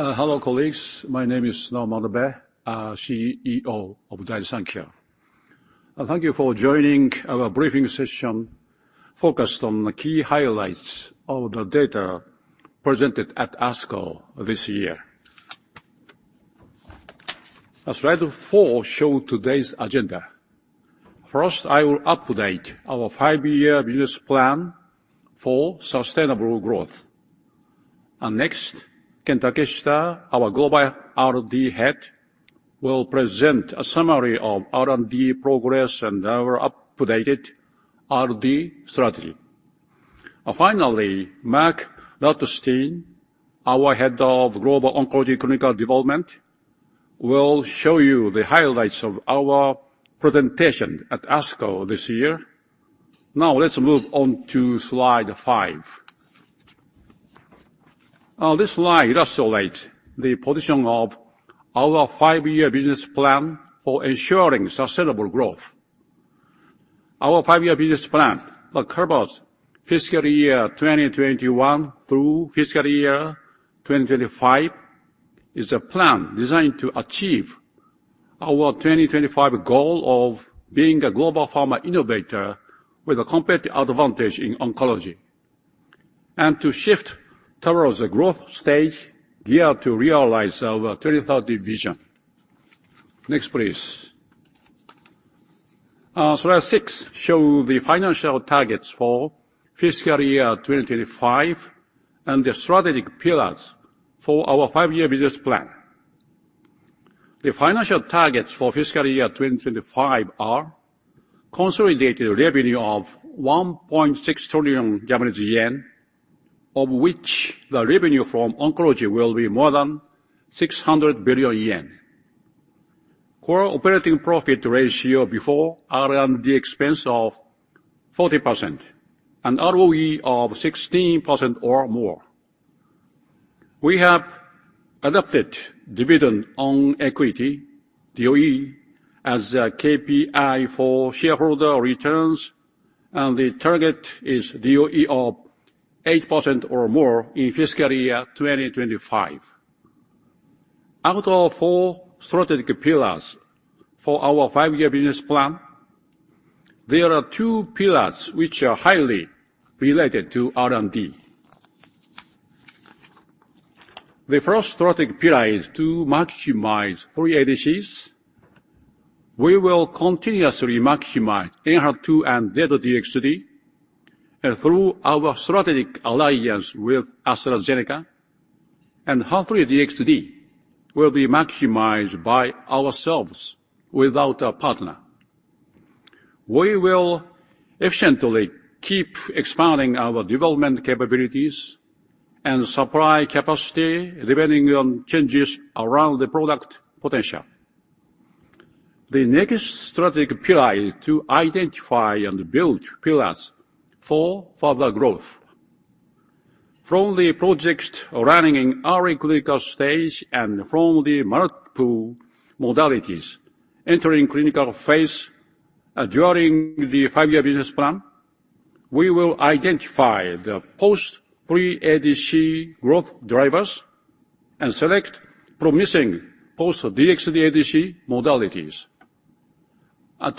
Hello, colleagues. My name is Sunao Manabe, CEO of Daiichi Sankyo. Thank you for joining our briefing session focused on the key highlights of the data presented at ASCO this year. As slide four show today's agenda, first, I will update our five-year business plan for sustainable growth. Ken Takeshita, our Global R&D head, will present a summary of R&D progress and our updated R&D strategy. Mark Rutstein, our Head of Global Oncology Clinical Development, will show you the highlights of our presentation at ASCO this year. Let's move on to slide five. This slide illustrates the position of our five-year business plan for ensuring sustainable growth. Our five-year business plan, that covers fiscal year 2021 through fiscal year 2025, is a plan designed to achieve our 2025 goal of being a global pharma innovator with a competitive advantage in oncology, and to shift towards a growth stage geared to realize our 2030 vision. Next, please. Slide six shows the financial targets for fiscal year 2025 and the strategic pillars for our five-year business plan. The financial targets for fiscal year 2025 are consolidated revenue of 1.6 trillion Japanese yen, of which the revenue from oncology will be more than 600 billion yen. Core operating profit ratio before R&D expense of 40%, and ROE of 16% or more. We have adopted dividend on equity, DOE, as a KPI for shareholder returns, and the target is DOE of 8% or more in fiscal year 2025. Out of four strategic pillars for our five-year business plan, there are two pillars which are highly related to R&D. The first strategic pillar is to maximize 3 ADCs. We will continuously maximize ENHERTU and Dato-DXd, and through our strategic alliance with AstraZeneca, HER3-DXd will be maximized by ourselves without a partner. We will efficiently keep expanding our development capabilities and supply capacity, depending on changes around the product potential. The next strategic pillar is to identify and build pillars for further growth. From the projects running in early clinical stage and from the multiple modalities entering clinical phase during the five-year business plan, we will identify the post pre-ADC growth drivers and select promising post DXd ADC modalities.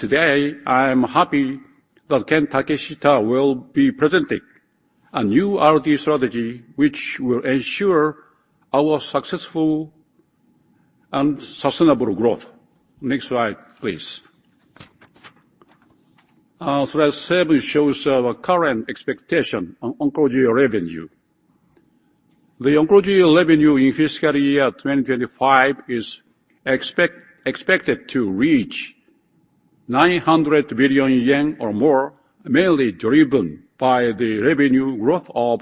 Today, I am happy that Ken Takeshita will be presenting a new R&D strategy, which will ensure our successful and sustainable growth. Next slide, please. Slide seven shows our current expectation on oncology revenue. The oncology revenue in fiscal year 2025 is expected to reach 900 billion yen or more, mainly driven by the revenue growth of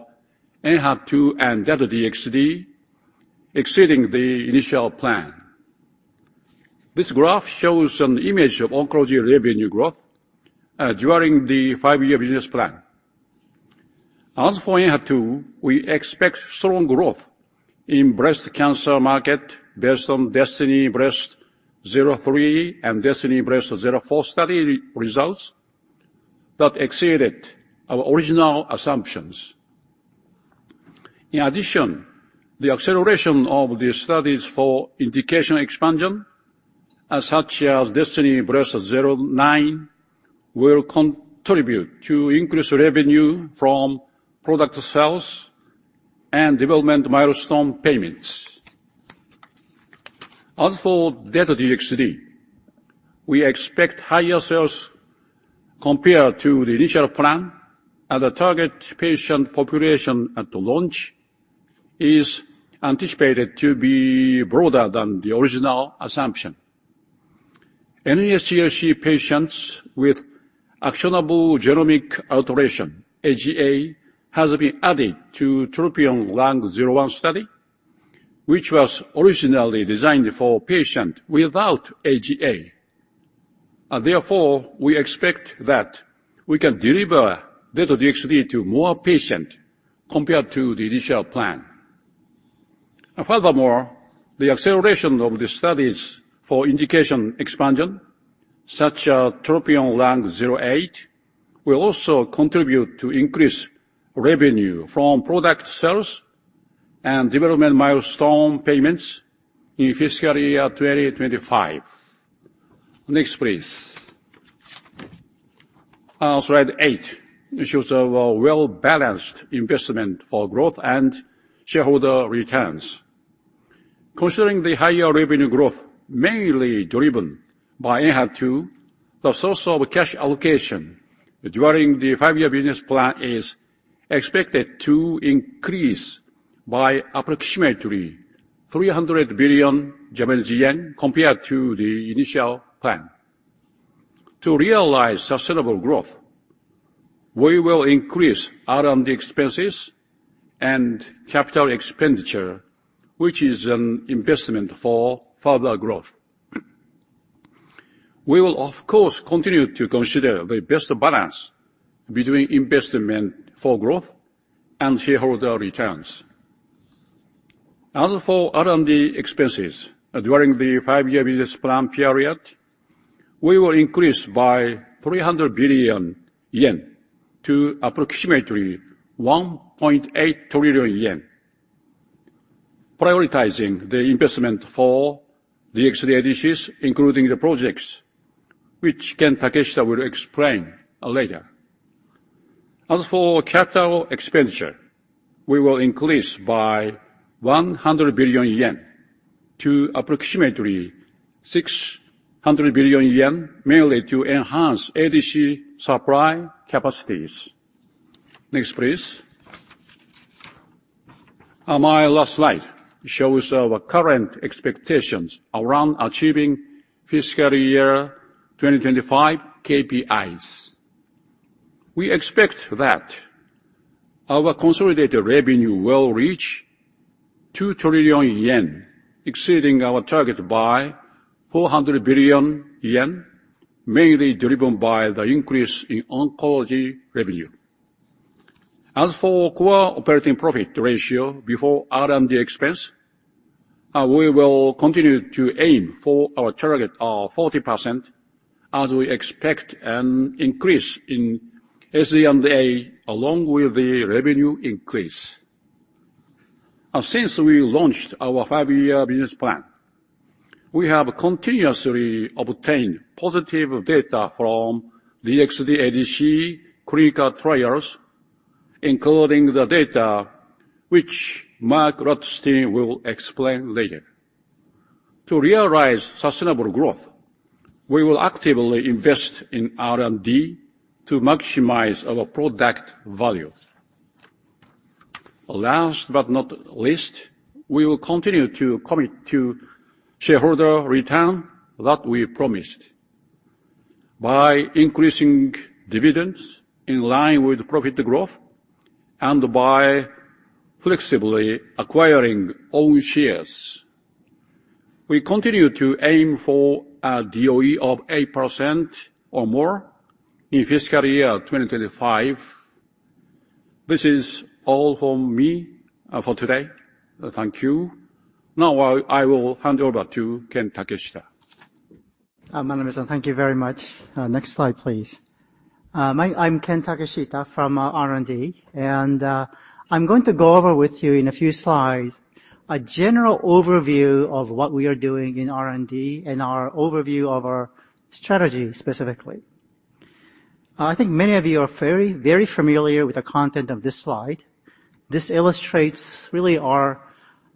ENHERTU and Dato-DXd, exceeding the initial plan. This graph shows an image of oncology revenue growth during the five-year business plan. As for ENHERTU, we expect strong growth in breast cancer market based on DESTINY-Breast03 and DESTINY-Breast04 study results that exceeded our original assumptions. In addition, the acceleration of the studies for indication expansion such as DESTINY-Breast09, will contribute to increased revenue from product sales and development milestone payments. As for Dato-DXd, we expect higher sales compared to the initial plan, and the target patient population at launch is anticipated to be broader than the original assumption. Any SCLC patients with actionable genomic alteration, AGA, has been added to TROPION-Lung01 study, which was originally designed for patient without AGA. Therefore, we expect that we can deliver Dato-DXd to more patient compared to the initial plan. Furthermore, the acceleration of the studies for indication expansion, such as TROPION-Lung08, will also contribute to increase revenue from product sales and development milestone payments in fiscal year 2025. Next, please. Slide eight shows our well-balanced investment for growth and shareholder returns. Considering the higher revenue growth, mainly driven by ENHERTU, the source of cash allocation during the five-year business plan is expected to increase by approximately 300 billion Japanese yen compared to the initial plan. To realize sustainable growth, we will increase R&D expenses and capital expenditure, which is an investment for further growth. We will, of course, continue to consider the best balance between investment for growth and shareholder returns. As for R&D expenses, during the five-year business plan period, we will increase by 300 billion yen to approximately 1.8 trillion yen, prioritizing the investment for the DXd ADC, including the projects, which Ken Takeshita will explain, later. As for capital expenditure, we will increase by 100 billion yen to approximately 600 billion yen, mainly to enhance ADC supply capacities. Next, please. My last slide shows our current expectations around achieving fiscal year 2025 KPIs. We expect that our consolidated revenue will reach 2 trillion yen, exceeding our target by 400 billion yen, mainly driven by the increase in oncology revenue. As for core operating profit ratio before R&D expense, we will continue to aim for our target of 40%, as we expect an increase in SG&A, along with the revenue increase. Since we launched our five-year business plan, we have continuously obtained positive data from the DXd ADC clinical trials, including the data which Mark Rutstein will explain later. To realize sustainable growth, we will actively invest in R&D to maximize our product value. Last but not least, we will continue to commit to shareholder return that we promised by increasing dividends in line with profit growth and by flexibly acquiring own shares. We continue to aim for a DOE of 8% or more in fiscal year 2025. This is all from me for today. Thank you. I will hand over to Ken Takeshita. Manabe-san, thank you very much. Next slide, please. I'm Ken Takeshita from R&D, and I'm going to go over with you in a few slides, a general overview of what we are doing in R&D and our overview of our strategy, specifically. I think many of you are very, very familiar with the content of this slide. This illustrates really our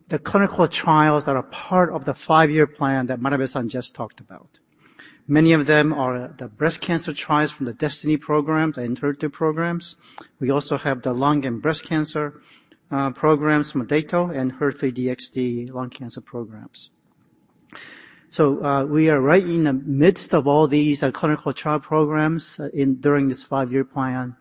the clinical trials that are part of the five-year plan that Manabe-san just talked about. Many of them are the breast cancer trials from the DESTINY programs and ENHERTU programs. We also have the lung and breast cancer programs, MODETO and HER3-DXd lung cancer programs. We are right in the midst of all these clinical trial programs during this five-year plan.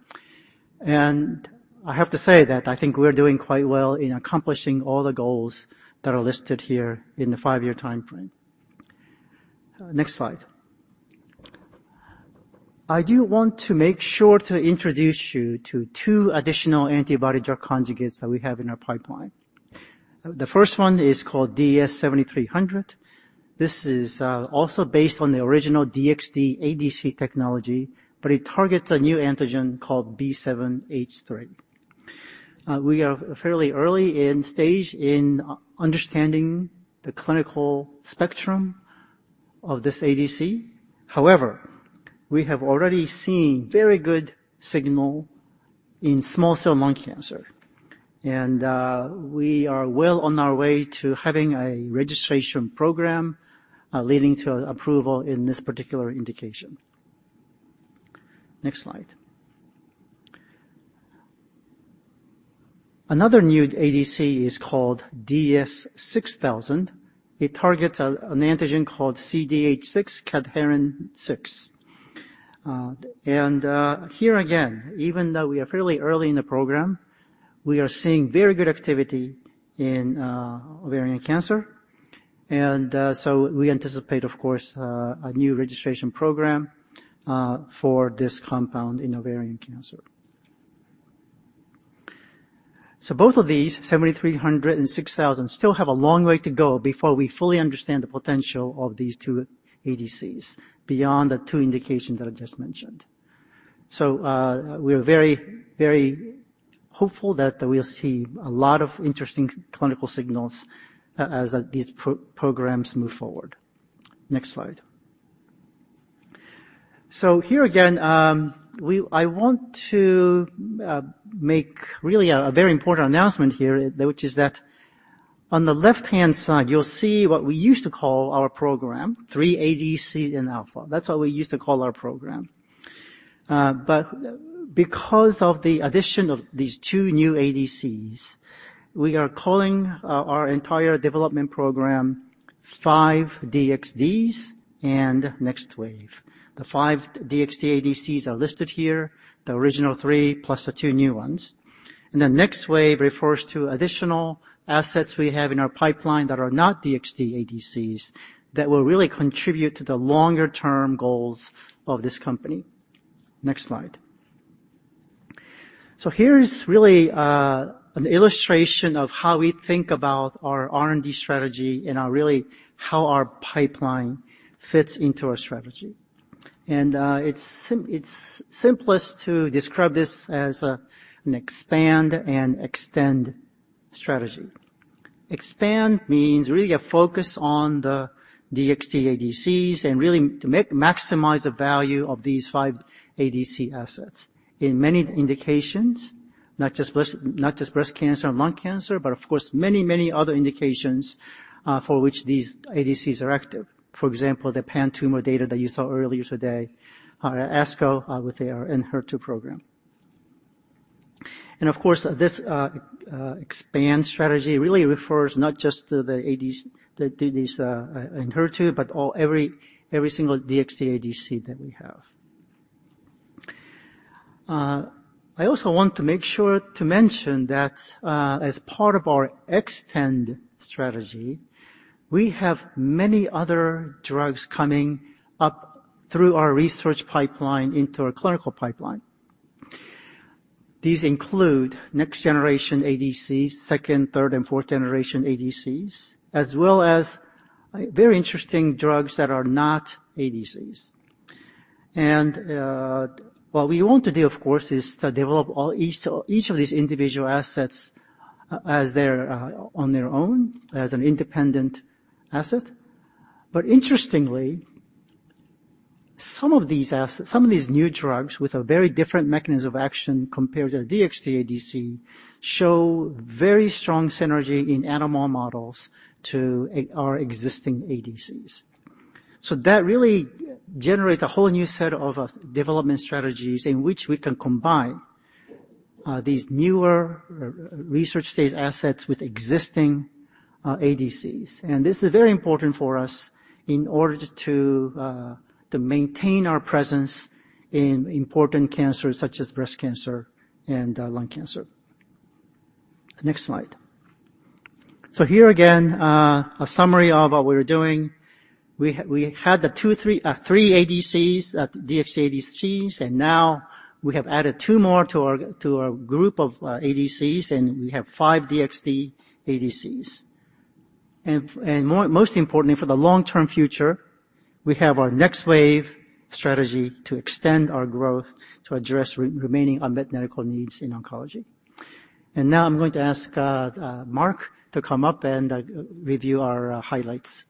I have to say that I think we're doing quite well in accomplishing all the goals that are listed here in the five-year timeframe. Next slide. I do want to make sure to introduce you to two additional antibody drug conjugates that we have in our pipeline. The first one is called DS7300. This is also based on the original DXd ADC technology, but it targets a new antigen called B7-H3. We are fairly early in stage in understanding the clinical spectrum of this ADC. We have already seen very good signal in small cell lung cancer, and we are well on our way to having a registration program leading to approval in this particular indication. Next slide. Another new ADC is called DS6000. It targets an antigen called CDH6, cadherin six. Here again, even though we are fairly early in the program, we are seeing very good activity in ovarian cancer. We anticipate, of course, a new registration program for this compound in ovarian cancer. Both of these, 7,300 and 6,000, still have a long way to go before we fully understand the potential of these two ADCs, beyond the two indications that I just mentioned. We are very, very hopeful that we'll see a lot of interesting clinical signals as these programs move forward. Next slide. Here again, I want to make really a very important announcement here, which is that on the left-hand side, you'll see what we used to call our program 3 ADC and Alpha. That's what we used to call our program. Because of the addition of these two new ADCs, we are calling our entire development program 5 DXds and Next Wave. The 5 DXd ADCs are listed here, the original 3+ the two new ones. Next Wave refers to additional assets we have in our pipeline that are not DXd ADCs, that will really contribute to the longer-term goals of this company. Next slide. Here's really an illustration of how we think about our R&D strategy and really how our pipeline fits into our strategy. It's simplest to describe this as an expand and extend strategy. Expand means really a focus on the DXd ADCs and really to maximize the value of these 5 ADC assets. In many indications, not just breast, not just breast cancer and lung cancer, but of course, many, many other indications, for which these ADCs are active. For example, the pan-tumor data that you saw earlier today, at ASCO, with their ENHERTU program. Of course, this expand strategy really refers not just to the ADs, these ENHERTU, but every single DXd ADC that we have. I also want to make sure to mention that, as part of our extend strategy, we have many other drugs coming up through our research pipeline into our clinical pipeline. These include next generation ADCs, second, third, and fourth generation ADCs, as well as very interesting drugs that are not ADCs. What we want to do, of course, is to develop each of these individual assets as they're on their own, as an independent asset. Interestingly, some of these assets, some of these new drugs with a very different mechanism of action compared to a DXd ADC, show very strong synergy in animal models to our existing ADCs. That really generates a whole new set of development strategies in which we can combine these newer, research-stage assets with existing ADCs. This is very important for us in order to maintain our presence in important cancers such as breast cancer and lung cancer. Next slide. Here again, a summary of what we're doing. We had the 3 DXd ADCs. now we have added two more to our group of ADCs, we have 5 DXd ADCs. more, most importantly, for the long-term future, we have our Next Wave strategy to extend our growth to address remaining unmet medical needs in oncology. now I'm going to ask Mark to come up and review our highlights.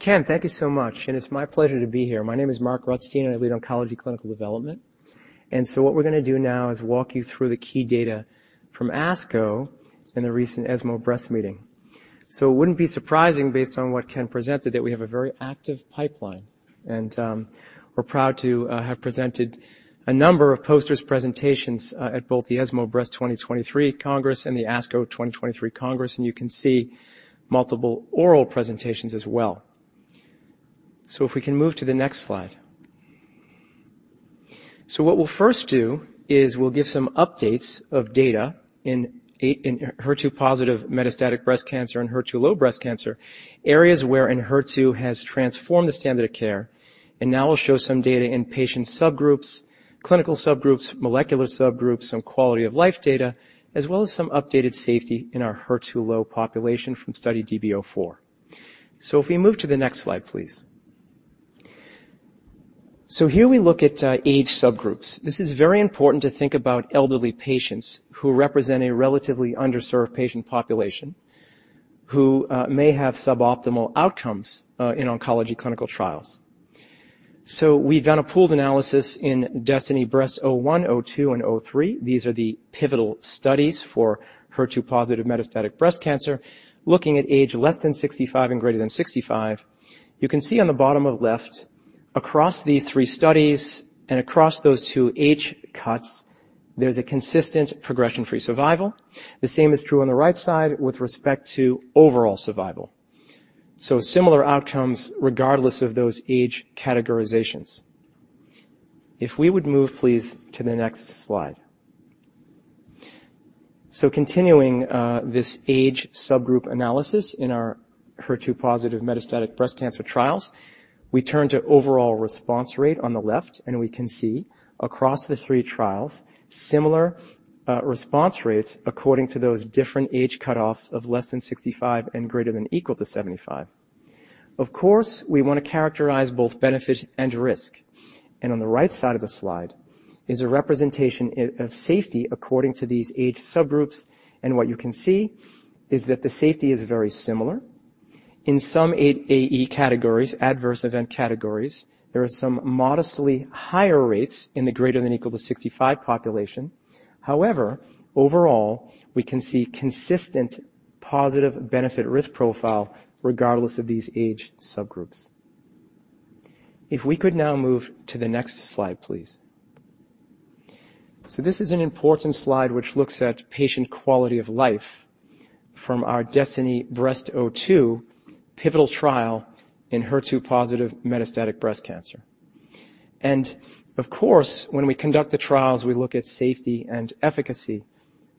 Ken, thank you so much, and it's my pleasure to be here. My name is Mark Rutstein, and I lead Oncology Clinical Development. What we're going to do now is walk you through the key data from ASCO and the recent ESMO Breast Meeting. It wouldn't be surprising, based on what Ken presented, that we have a very active pipeline, and we're proud to have presented a number of posters, presentations, at both the ESMO Breast 2023 Congress and the ASCO 2023 Congress, and you can see multiple oral presentations as well. If we can move to the next slide. What we'll first do is we'll give some updates of data in HER2-positive metastatic breast cancer and HER2-low breast cancer, areas where ENHERTU has transformed the standard of care. Now we'll show some data in patient subgroups, clinical subgroups, molecular subgroups, some quality of life data, as well as some updated safety in our HER2-low population from study DESTINY-Breast04. If we move to the next slide, please. Here we look at age subgroups. This is very important to think about elderly patients who represent a relatively underserved patient population, who may have suboptimal outcomes in oncology clinical trials. We've done a pooled analysis in DESTINY-Breast01, 02, and 03. These are the pivotal studies for HER2 positive metastatic breast cancer, looking at age less than 65 and greater than 65. You can see on the bottom of left, across these three studies and across those two age cuts, there's a consistent progression-free survival. The same is true on the right side with respect to overall survival. Similar outcomes, regardless of those age categorizations. If we would move, please, to the next slide. Continuing, this age subgroup analysis in our HER2-positive metastatic breast cancer trials, we turn to overall response rate on the left, and we can see across the three trials, similar response rates according to those different age cutoffs of less than 65 and greater than equal to 75. Of course, we want to characterize both benefit and risk, and on the right side of the slide is a representation of safety according to these age subgroups. What you can see is that the safety is very similar. In some AE categories, adverse event categories, there are some modestly higher rates in the greater than equal to 65 population. However, overall, we can see consistent positive benefit risk profile regardless of these age subgroups. If we could now move to the next slide, please. This is an important slide which looks at patient quality of life from our DESTINY-Breast02 pivotal trial in HER2-positive metastatic breast cancer. Of course, when we conduct the trials, we look at safety and efficacy,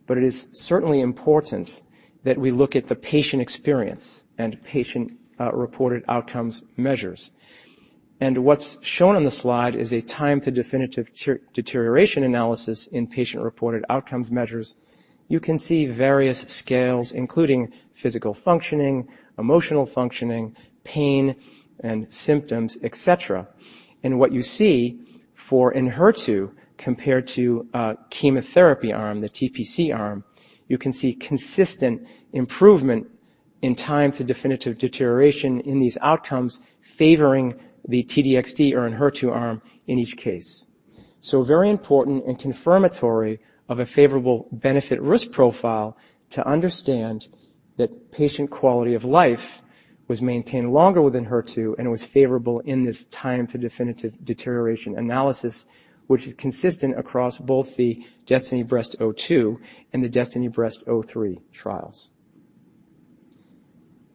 but it is certainly important that we look at the patient experience and patient reported outcomes measures. What's shown on the slide is a time to definitive deterioration analysis in patient reported outcomes measures. You can see various scales, including physical functioning, emotional functioning, pain and symptoms, etc. What you see for ENHERTU compared to chemotherapy arm, the TPC arm, you can see consistent improvement in time to definitive deterioration in these outcomes favoring the T-DXd or ENHERTU arm in each case. Very important and confirmatory of a favorable benefit-risk profile to understand that patient quality of life was maintained longer within HER2 and was favorable in this time to definitive deterioration analysis, which is consistent across both the DESTINY-Breast02 and the DESTINY-Breast03 trials.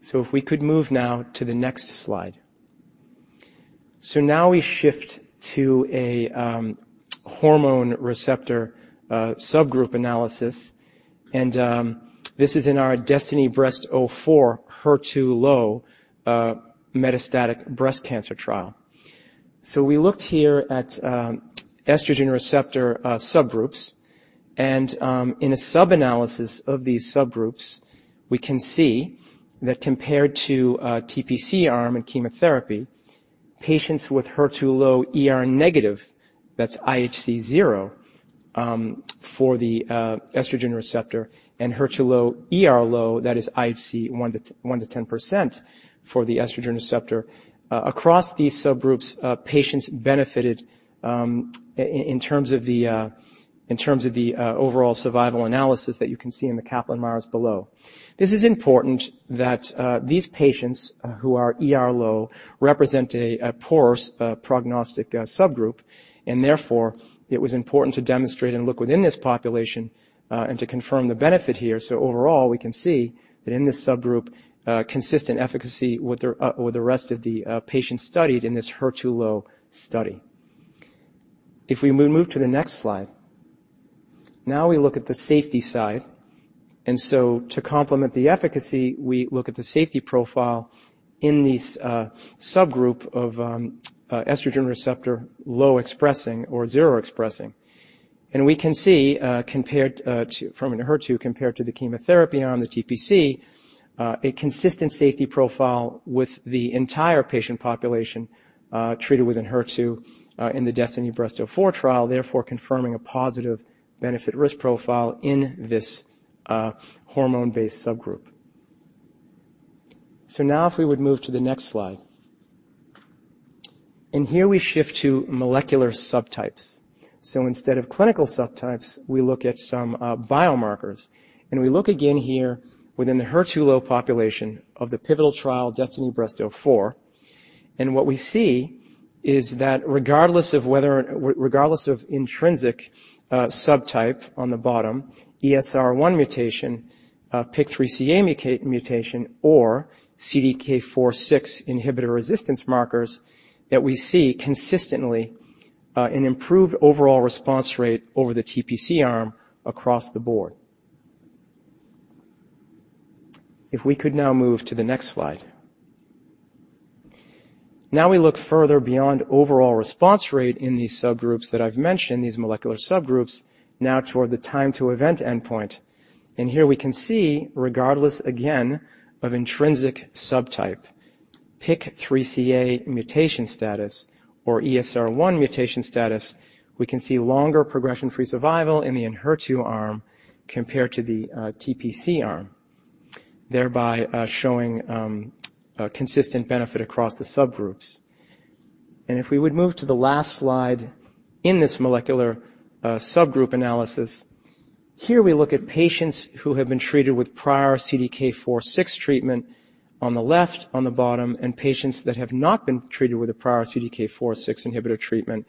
If we could move now to the next slide. Now we shift to a hormone receptor subgroup analysis. This is in our DESTINY-Breast04 HER2-low metastatic breast cancer trial. We looked here at estrogen receptor subgroups. In a subanalysis of these subgroups, we can see that compared to a TPC arm in chemotherapy, patients with HER2-low ER-negative, that's IHC 0, for the estrogen receptor and HER2-low, ER-low, that is IHC 1 to 10% for the estrogen receptor. Across these subgroups, patients benefited in terms of the overall survival analysis that you can see in the Kaplan-Meier below. This is important that these patients who are ER low, represent a poor prognostic subgroup, and therefore, it was important to demonstrate and look within this population and to confirm the benefit here. Overall, we can see that in this subgroup, consistent efficacy with the rest of the patients studied in this HER2-low study. We move to the next slide. Now we look at the safety side, and so to complement the efficacy, we look at the safety profile in this subgroup of estrogen receptor low expressing or zero expressing. We can see, compared to from an ENHERTU compared to the chemotherapy on the TPC, a consistent safety profile with the entire patient population treated with ENHERTU in the DESTINY-Breast04 trial, therefore confirming a positive benefit risk profile in this hormone-based subgroup. Now, if we would move to the next slide. Here we shift to molecular subtypes. Instead of clinical subtypes, we look at some biomarkers, and we look again here within the HER2-Low population of the pivotal trial, DESTINY-Breast04. What we see is that regardless of intrinsic subtype on the bottom, ESR1 mutation, PIK3CA mutation, or CDK4/6 inhibitor resistance markers, that we see consistently an improved overall response rate over the TPC arm across the board. If we could now move to the next slide. Now we look further beyond overall response rate in these subgroups that I've mentioned, these molecular subgroups, now toward the time to event endpoint. Here we can see, regardless again, of intrinsic subtype, PIK3CA mutation status or ESR1 mutation status, we can see longer progression-free survival in the ENHERTU arm compared to the TPC arm, thereby showing a consistent benefit across the subgroups. If we would move to the last slide in this molecular subgroup analysis. Here, we look at patients who have been treated with prior CDK4/6 treatment on the left, on the bottom, and patients that have not been treated with a prior CDK4/6 inhibitor treatment.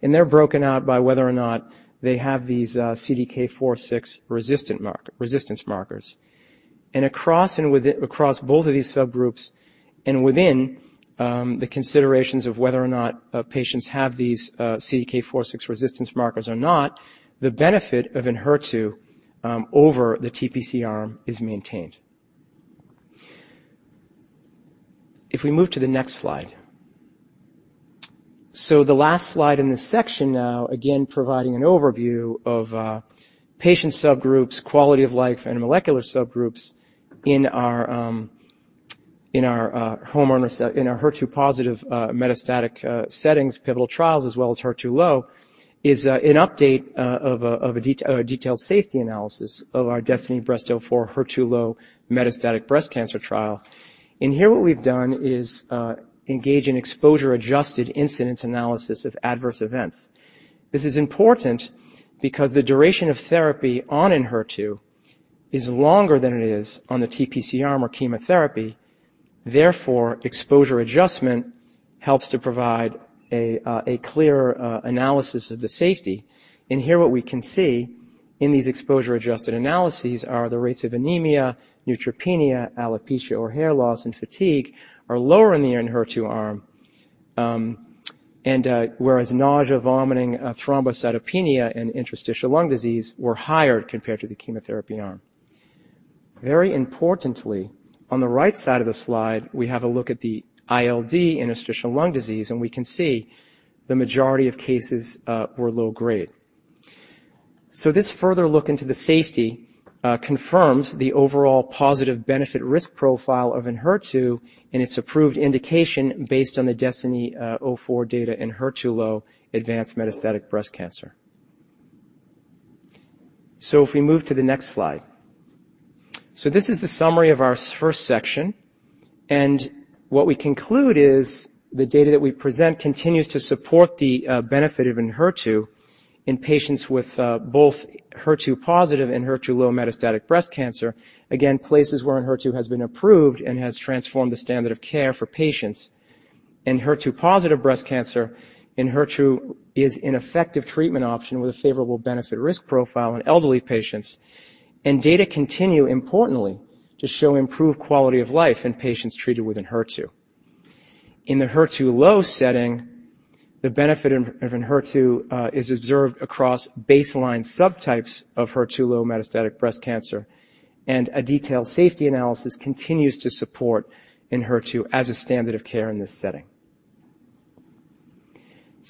They're broken out by whether or not they have these CDK4/6 resistance markers.... Across and within, across both of these subgroups and within, the considerations of whether or not patients have these CDK4/6 resistance markers or not, the benefit of ENHERTU over the TPC arm is maintained. If we move to the next slide. The last slide in this section now, again, providing an overview of patient subgroups, quality of life, and molecular subgroups in our in our hormone receptor set, in our HER2-positive metastatic settings, pivotal trials, as well as HER2-low, is an update of a detailed safety analysis of our DESTINY-Breast04 HER2-low metastatic breast cancer trial. Here, what we've done is engage in exposure-adjusted incidence analysis of adverse events. This is important because the duration of therapy on ENHERTU is longer than it is on the TPC arm or chemotherapy. Exposure adjustment helps to provide a clearer analysis of the safety. Here what we can see in these exposure-adjusted analyses are the rates of anemia, neutropenia, alopecia or hair loss, and fatigue are lower in the ENHERTU arm. Whereas nausea, vomiting, thrombocytopenia, and interstitial lung disease were higher compared to the chemotherapy arm. Very importantly, on the right side of the slide, we have a look at the ILD, interstitial lung disease, and we can see the majority of cases were low grade. This further look into the safety confirms the overall positive benefit-risk profile of ENHERTU and its approved indication based on the DESTINY-Breast04 data in HER2-low advanced metastatic breast cancer. If we move to the next slide. This is the summary of our first section, and what we conclude is the data that we present continues to support the benefit of ENHERTU in patients with both HER2 positive and HER2-low metastatic breast cancer. Again, places where ENHERTU has been approved and has transformed the standard of care for patients. In HER2 positive breast cancer, ENHERTU is an effective treatment option with a favorable benefit-risk profile in elderly patients, and data continue, importantly, to show improved quality of life in patients treated with ENHERTU. In the HER2-low setting, the benefit of ENHERTU is observed across baseline subtypes of HER2-low metastatic breast cancer, and a detailed safety analysis continues to support ENHERTU as a standard of care in this setting.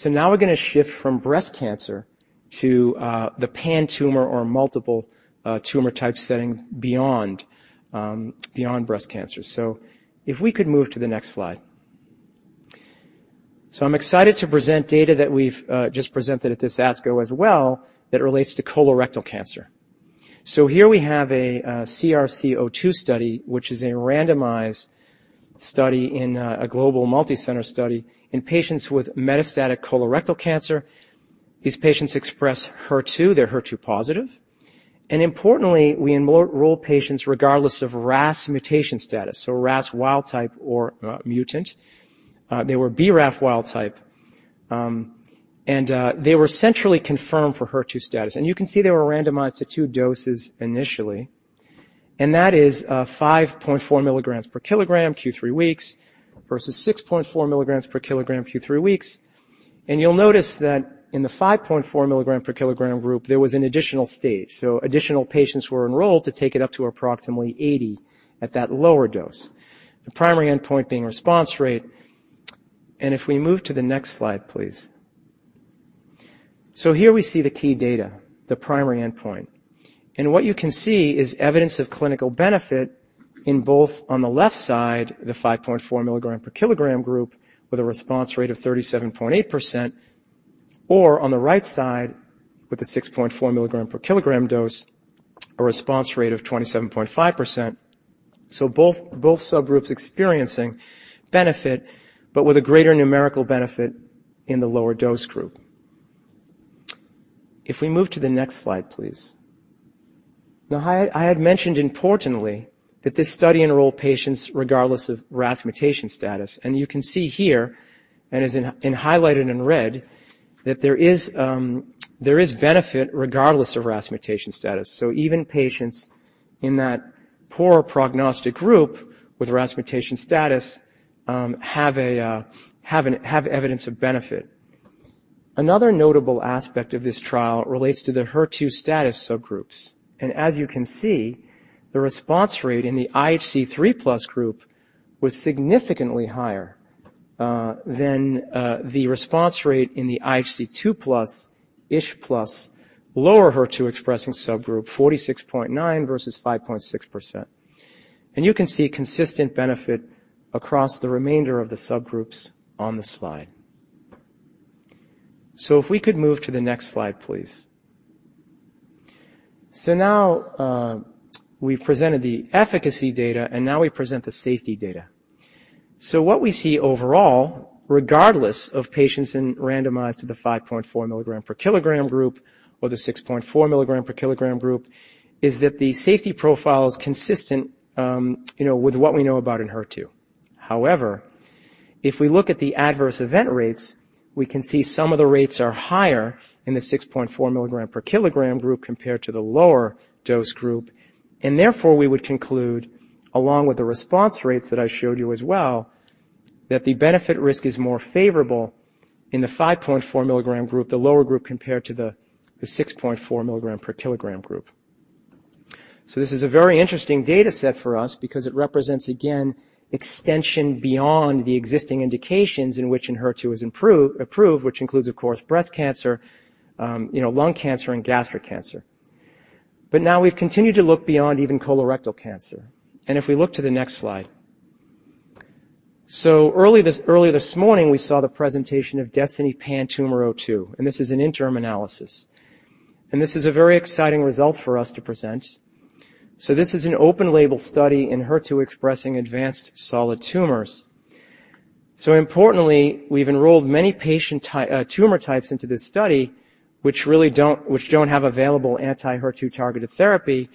Now we're going to shift from breast cancer to the pan-tumor or multiple tumor type setting beyond breast cancer. If we could move to the next slide. I'm excited to present data that we've just presented at this ASCO as well, that relates to colorectal cancer. Here we have a DESTINY-CRC02 study, which is a randomized study in a global multicenter study in patients with metastatic colorectal cancer. These patients express HER2, they're HER2 positive, and importantly, we enroll patients regardless of RAS mutation status. RAS wild type or mutant. They were BRAF wild type and they were centrally confirmed for HER2 status. You can see they were randomized to two doses initially, and that is 5.4 mg/kg Q 3 weeks, versus 6.4 mg/kg Q 3 weeks. You'll notice that in the 5.4 mg/kg group, there was an additional stage. Additional patients were enrolled to take it up to approximately 80 at that lower dose, the primary endpoint being response rate. If we move to the next slide, please. Here we see the key data, the primary endpoint. What you can see is evidence of clinical benefit in both, on the left side, the 5.4 mg/kg group, with a response rate of 37.8%, or on the right side, with the 6.4 mg/kg dose, a response rate of 27.5%. Both subgroups experiencing benefit, but with a greater numerical benefit in the lower dose group. If we move to the next slide, please. I had mentioned importantly, that this study enrolled patients regardless of RAS mutation status, you can see here, as highlighted in red, that there is benefit regardless of RAS mutation status. Even patients in that poor prognostic group with RAS mutation status, have evidence of benefit. Another notable aspect of this trial relates to the HER2 status subgroups. As you can see, the response rate in the IHC 3+ group was significantly higher than the response rate in the IHC 2+, ISH plus, lower HER2 expressing subgroup, 46.9% versus 5.6%. You can see consistent benefit across the remainder of the subgroups on the slide. If we could move to the next slide, please. Now, we've presented the efficacy data, and now we present the safety data. What we see overall, regardless of patients in randomized to the 5.4 mg/kg group or the 6.4 mg/kg group, is that the safety profile is consistent, you know, with what we know about ENHERTU. However, if we look at the adverse event rates, we can see some of the rates are higher in the 6.4 mg/kg group compared to the lower dose group. Therefore, we would conclude, along with the response rates that I showed you as well, that the benefit risk is more favorable in the 5.4 mg group, the lower group, compared to the 6.4 mg/kg group. This is a very interesting data set for us because it represents, again, extension beyond the existing indications in which ENHERTU is approved, which includes, of course, breast cancer, you know, lung cancer, and gastric cancer. Now we've continued to look beyond even colorectal cancer. If we look to the next slide. Early this morning, we saw the presentation of DESTINY-PanTumor02, and this is an interim analysis, and this is a very exciting result for us to present. This is an open-label study in HER2-expressing advanced solid tumors. Importantly, we've enrolled many patient type, tumor types into this study, which really don't have available anti-HER2 targeted therapy,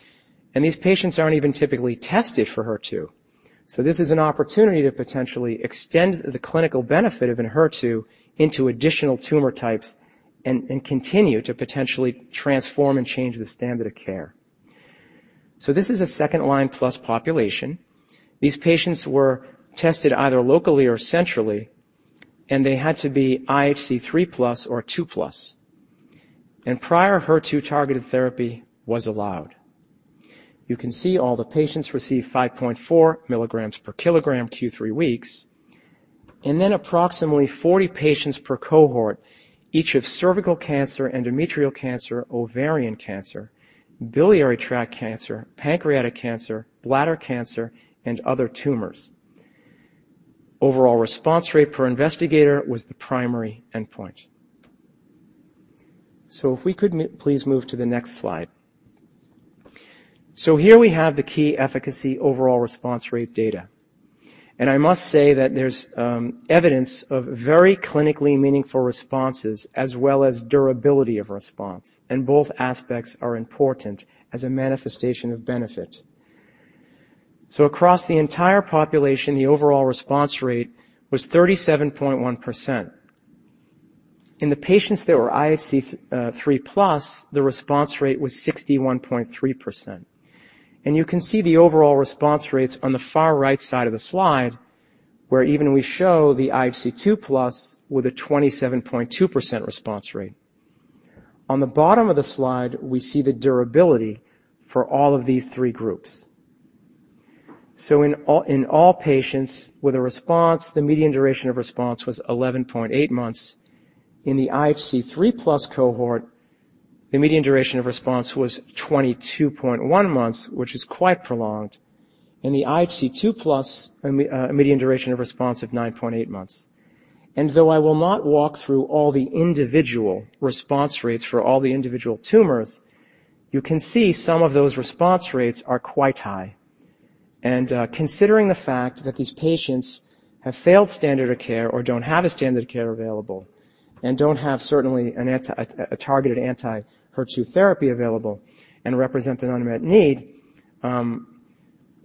and these patients aren't even typically tested for HER2. This is an opportunity to potentially extend the clinical benefit of ENHERTU into additional tumor types and continue to potentially transform and change the standard of care. This is a second-line-plus population. These patients were tested either locally or centrally, and they had to be IHC 3+ or 2+. Prior HER2-targeted therapy was allowed. All the patients received 5.4 mg/kg Q3 weeks, approximately 40 patients per cohort, each of cervical cancer, endometrial cancer, ovarian cancer, biliary tract cancer, pancreatic cancer, bladder cancer, and other tumors. Overall response rate per investigator was the primary endpoint. If we could please move to the next slide. Here we have the key efficacy overall response rate data, and I must say that there's evidence of very clinically meaningful responses as well as durability of response, and both aspects are important as a manifestation of benefit. Across the entire population, the overall response rate was 37.1%. In the patients that were IHC 3+, the response rate was 61.3%. You can see the overall response rates on the far right side of the slide, where even we show the IHC 2+ with a 27.2% response rate. On the bottom of the slide, we see the durability for all of these three groups. In all patients with a response, the median duration of response was 11.8 months. In the IHC 3+ cohort, the median duration of response was 22.1 months, which is quite prolonged. In the IHC 2+, a median duration of response of 9.8 months. Though I will not walk through all the individual response rates for all the individual tumors, you can see some of those response rates are quite high. Considering the fact that these patients have failed standard of care or don't have a standard of care available, and don't have certainly a targeted anti-HER2 therapy available and represent an unmet need,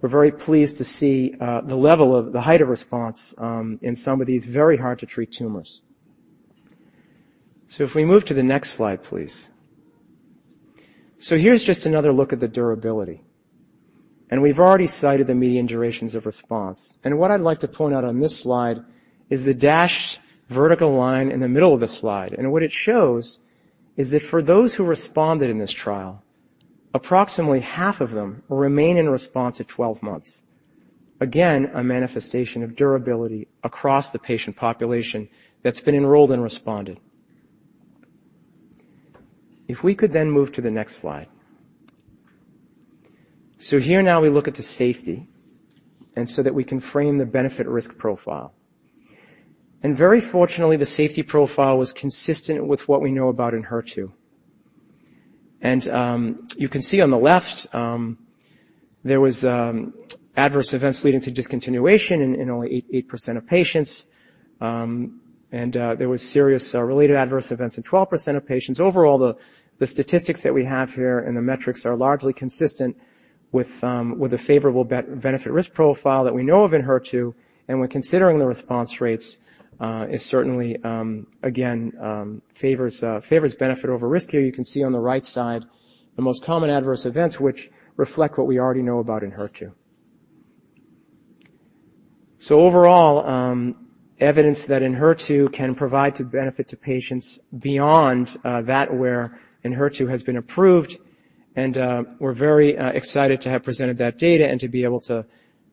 we're very pleased to see the level of the height of response in some of these very hard-to-treat tumors. If we move to the next slide, please. Here's just another look at the durability, and we've already cited the median durations of response. What I'd like to point out on this slide is the dashed vertical line in the middle of the slide. What it shows is that for those who responded in this trial, approximately half of them remain in response at 12 months. Again, a manifestation of durability across the patient population that's been enrolled and responded. If we could then move to the next slide. Here now we look at the safety, and so that we can frame the benefit risk profile. Very fortunately, the safety profile was consistent with what we know about ENHERTU. You can see on the left, there was adverse events leading to discontinuation in only 8% of patients. There was serious related adverse events in 12% of patients. Overall, the statistics that we have here and the metrics are largely consistent with with a favorable benefit risk profile that we know of ENHERTU, and when considering the response rates, is certainly again favors benefit over risk. Here, you can see on the right side the most common adverse events, which reflect what we already know about ENHERTU. Overall, evidence that ENHERTU can provide to benefit to patients beyond that where ENHERTU has been approved. We're very excited to have presented that data and to be able to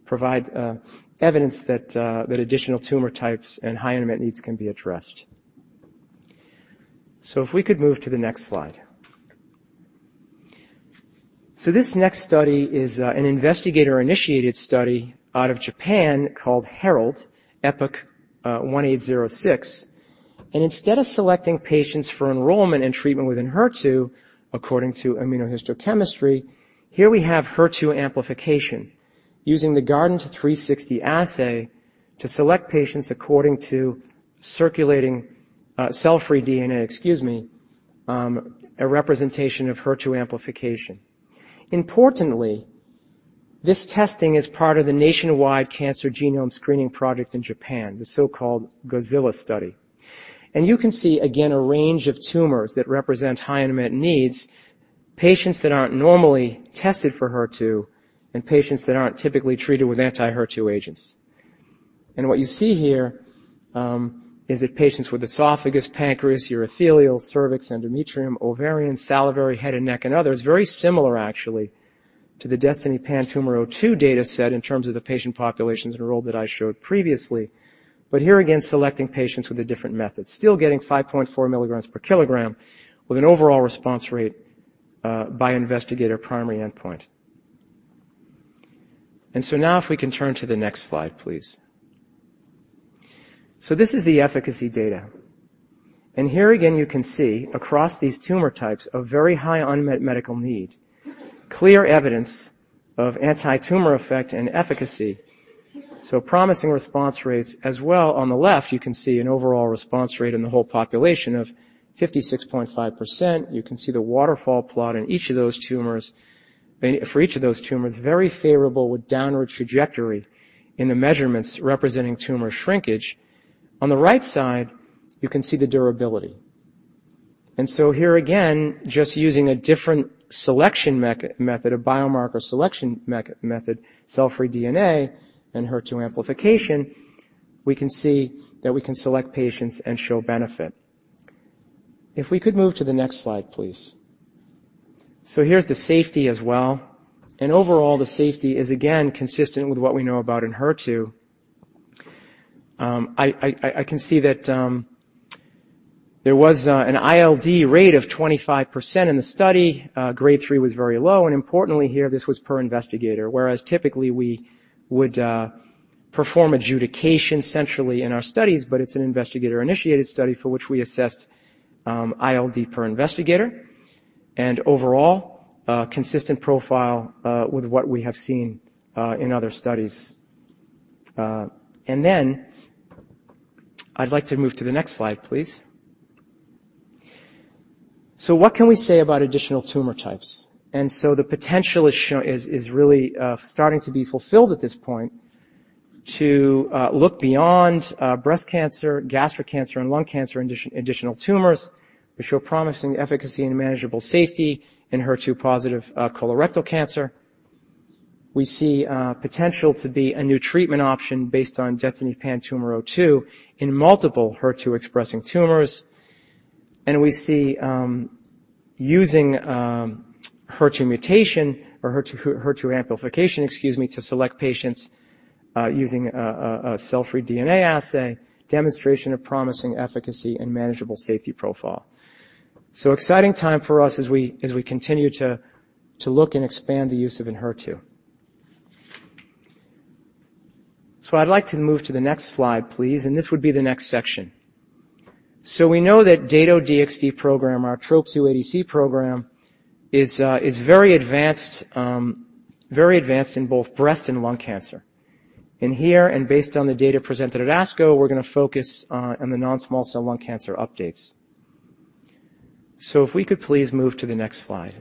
provide evidence that that additional tumor types and high unmet needs can be addressed. If we could move to the next slide. This next study is an investigator-initiated study out of Japan called HERALD/EPOC1806, and instead of selecting patients for enrollment and treatment with ENHERTU, according to immunohistochemistry, here we have HER2 amplification using the Guardant360 assay to select patients according to circulating cell-free DNA, excuse me. a representation of HER2 amplification. Importantly, this testing is part of the nationwide cancer genome screening project in Japan, the so-called GOZILA study. You can see, again, a range of tumors that represent high unmet needs, patients that aren't normally tested for HER2, and patients that aren't typically treated with anti-HER2 agents. What you see here, is that patients with esophagus, pancreas, urothelial, cervix, endometrium, ovarian, salivary, head and neck, and others, very similar actually to the DESTINY-PanTumor02 data set in terms of the patient populations enrolled that I showed previously. Still getting 5.4 mg/kg with an overall response rate by investigator primary endpoint. Now if we can turn to the next slide, please. This is the efficacy data. Here again, you can see across these tumor types, a very high unmet medical need, clear evidence of anti-tumor effect and efficacy, promising response rates. As well, on the left, you can see an overall response rate in the whole population of 56.5%. You can see the waterfall plot in each of those tumors. For each of those tumors, very favorable with downward trajectory in the measurements representing tumor shrinkage. On the right side, you can see the durability. Here again, just using a different selection method, a biomarker selection method, cell-free DNA and HER2 amplification, we can see that we can select patients and show benefit. If we could move to the next slide, please. Here's the safety as well, and overall, the safety is again consistent with what we know about ENHERTU. I can see that there was an ILD rate of 25% in the study. Uh, grade three was very low, and importantly here, this was per investigator, whereas typically we would, uh, perform adjudication centrally in our studies, but it's an investigator-initiated study for which we assessed, um, ILD per investigator and overall, uh, consistent profile, uh, with what we have seen, uh, in other studies. Uh, and then I'd like to move to the next slide, please. So what can we say about additional tumor types? And so the potential is show-- is, is really, uh, starting to be fulfilled at this point, to, uh, look beyond, uh, breast cancer, gastric cancer, and lung cancer and addition- additional tumors, which show promising efficacy and manageable safety in HER2-positive, uh, colorectal cancer. We see, uh, potential to be a new treatment option based on DESTINY-PanTumor02 in multiple HER2-expressing tumors. We see using HER2 mutation or HER2 amplification, excuse me, to select patients using a cell-free DNA assay, demonstration of promising efficacy and manageable safety profile. Exciting time for us as we continue to look and expand the use of ENHERTU. I'd like to move to the next slide, please, and this would be the next section. We know that Dato-DXd program, our TROP2 ADC program, is very advanced in both breast and lung cancer. Here, and based on the data presented at ASCO, we're going to focus on the non-small cell lung cancer updates. If we could please move to the next slide.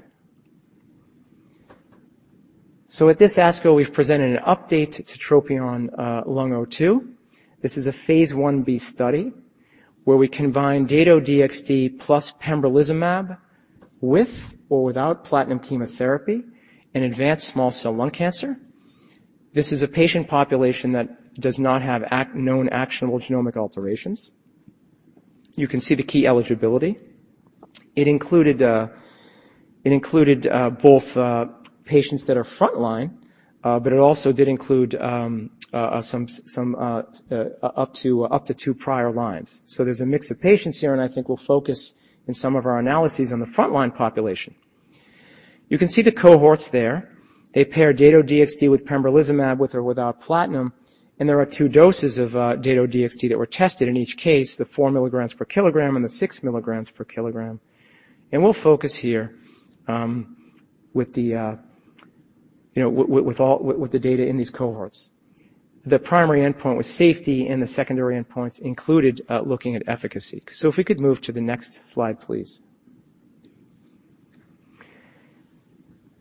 At this ASCO, we've presented an update to TROPION-Lung02. This is a phase Ib study where we combine Dato-DXd plus pembrolizumab with or without platinum chemotherapy in advanced small cell lung cancer. This is a patient population that does not have known actionable genomic alterations. You can see the key eligibility. It included both patients that are frontline, but it also did include some up to two prior lines. There's a mix of patients here, and I think we'll focus in some of our analyses on the frontline population. You can see the cohorts there. They pair Dato-DXd with pembrolizumab, with or without platinum, and there are two doses of Dato-DXd that were tested in each case, the 4 mg/kg and the 6 mg/kg. We'll focus here, you know, with the data in these cohorts. The primary endpoint was safety, and the secondary endpoints included looking at efficacy. If we could move to the next slide, please.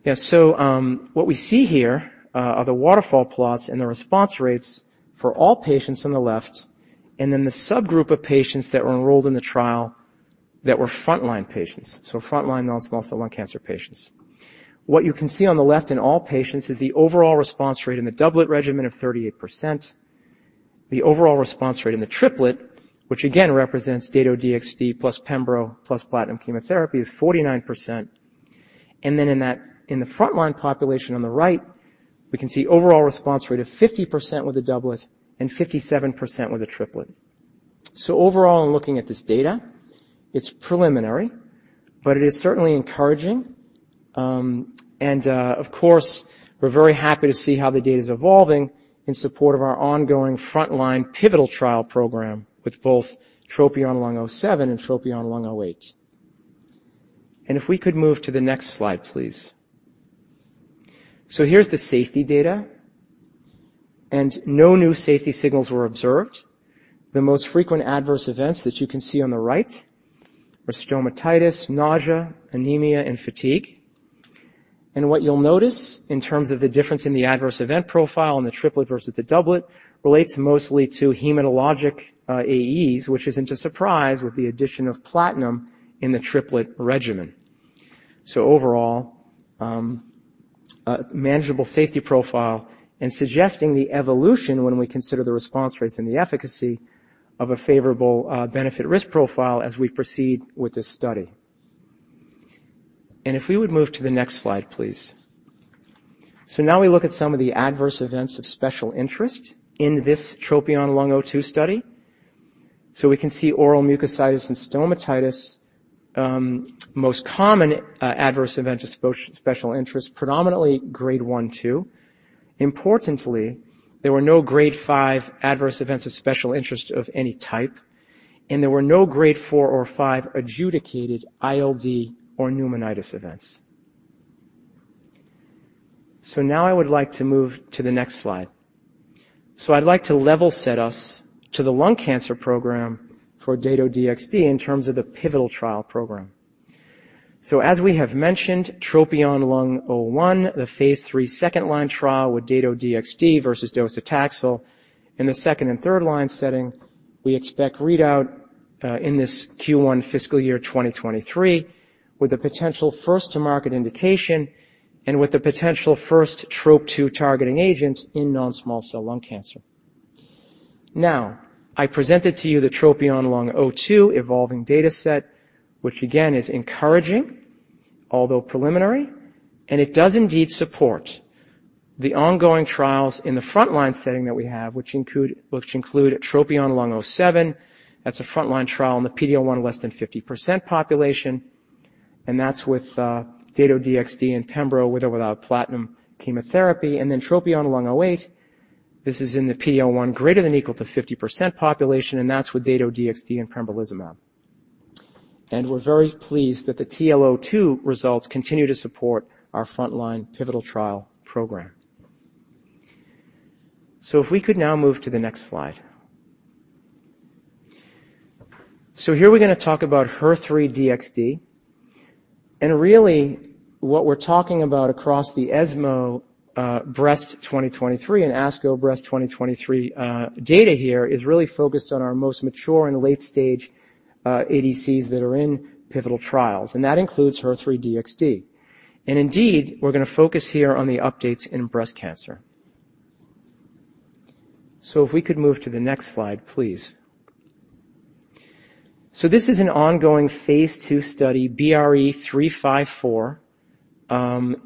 Yes, what we see here are the waterfall plots and the response rates for all patients on the left and then the subgroup of patients that were enrolled in the trial that were frontline patients, so frontline non-small cell lung cancer patients. What you can see on the left in all patients is the overall response rate in the doublet regimen of 38%. The overall response rate in the triplet, which again represents Dato-DXd plus Pembro plus platinum chemotherapy, is 49%. In the frontline population on the right, we can see overall response rate of 50% with the doublet and 57% with the triplet. Overall, in looking at this data, it's preliminary, but it is certainly encouraging. Of course, we're very happy to see how the data is evolving in support of our ongoing frontline pivotal trial program with both TROPION-Lung07 and TROPION-Lung08. If we could move to the next slide, please. Here's the safety data, no new safety signals were observed. The most frequent adverse events that you can see on the right were stomatitis, nausea, anemia, and fatigue. What you'll notice in terms of the difference in the adverse event profile and the triplet versus the doublet relates mostly to hematologic AEs, which isn't a surprise with the addition of platinum in the triplet regimen. Overall, a manageable safety profile and suggesting the evolution when we consider the response rates and the efficacy of a favorable benefit risk profile as we proceed with this study. If we would move to the next slide, please. Now we look at some of the adverse events of special interest in this TROPION-Lung02 study. We can see oral mucositis and stomatitis, most common adverse event of special interest, predominantly Grade one, two. Importantly, there were no Grade five adverse events of special interest of any type, and there were no Grade four or five adjudicated ILD or pneumonitis events. Now I would like to move to the next slide. I'd like to level set us to the lung cancer program for Dato-DXd in terms of the pivotal trial program. As we have mentioned, TROPION-Lung01, the phase III second-line trial with Dato-DXd versus docetaxel in the second- and third-line setting, we expect readout in this Q1 fiscal year 2023, with a potential first-to-market indication and with the potential first TROP2 targeting agent in non-small cell lung cancer. Now, I presented to you the TROPION-Lung02 evolving data set, which again, is encouraging, although preliminary, and it does indeed support the ongoing trials in the frontline setting that we have, which include TROPION-Lung07. That's a frontline trial in the PD-L1 less than 50% population, and that's with Dato-DXd and pembrolizumab, with or without platinum chemotherapy. TROPION-Lung08, this is in the PD-L1 greater than equal to 50% population, and that's with Dato-DXd and pembrolizumab. We're very pleased that the TLO 2 results continue to support our frontline pivotal trial program. If we could now move to the next slide. Here we're going to talk about HER3-DXd, and really, what we're talking about across the ESMO Breast 2023 and ASCO Breast 2023 data here is really focused on our most mature and late-stage ADCs that are in pivotal trials, and that includes HER3-DXd. Indeed, we're going to focus here on the updates in breast cancer. If we could move to the next slide, please. This is an ongoing phase II study, BRE-354,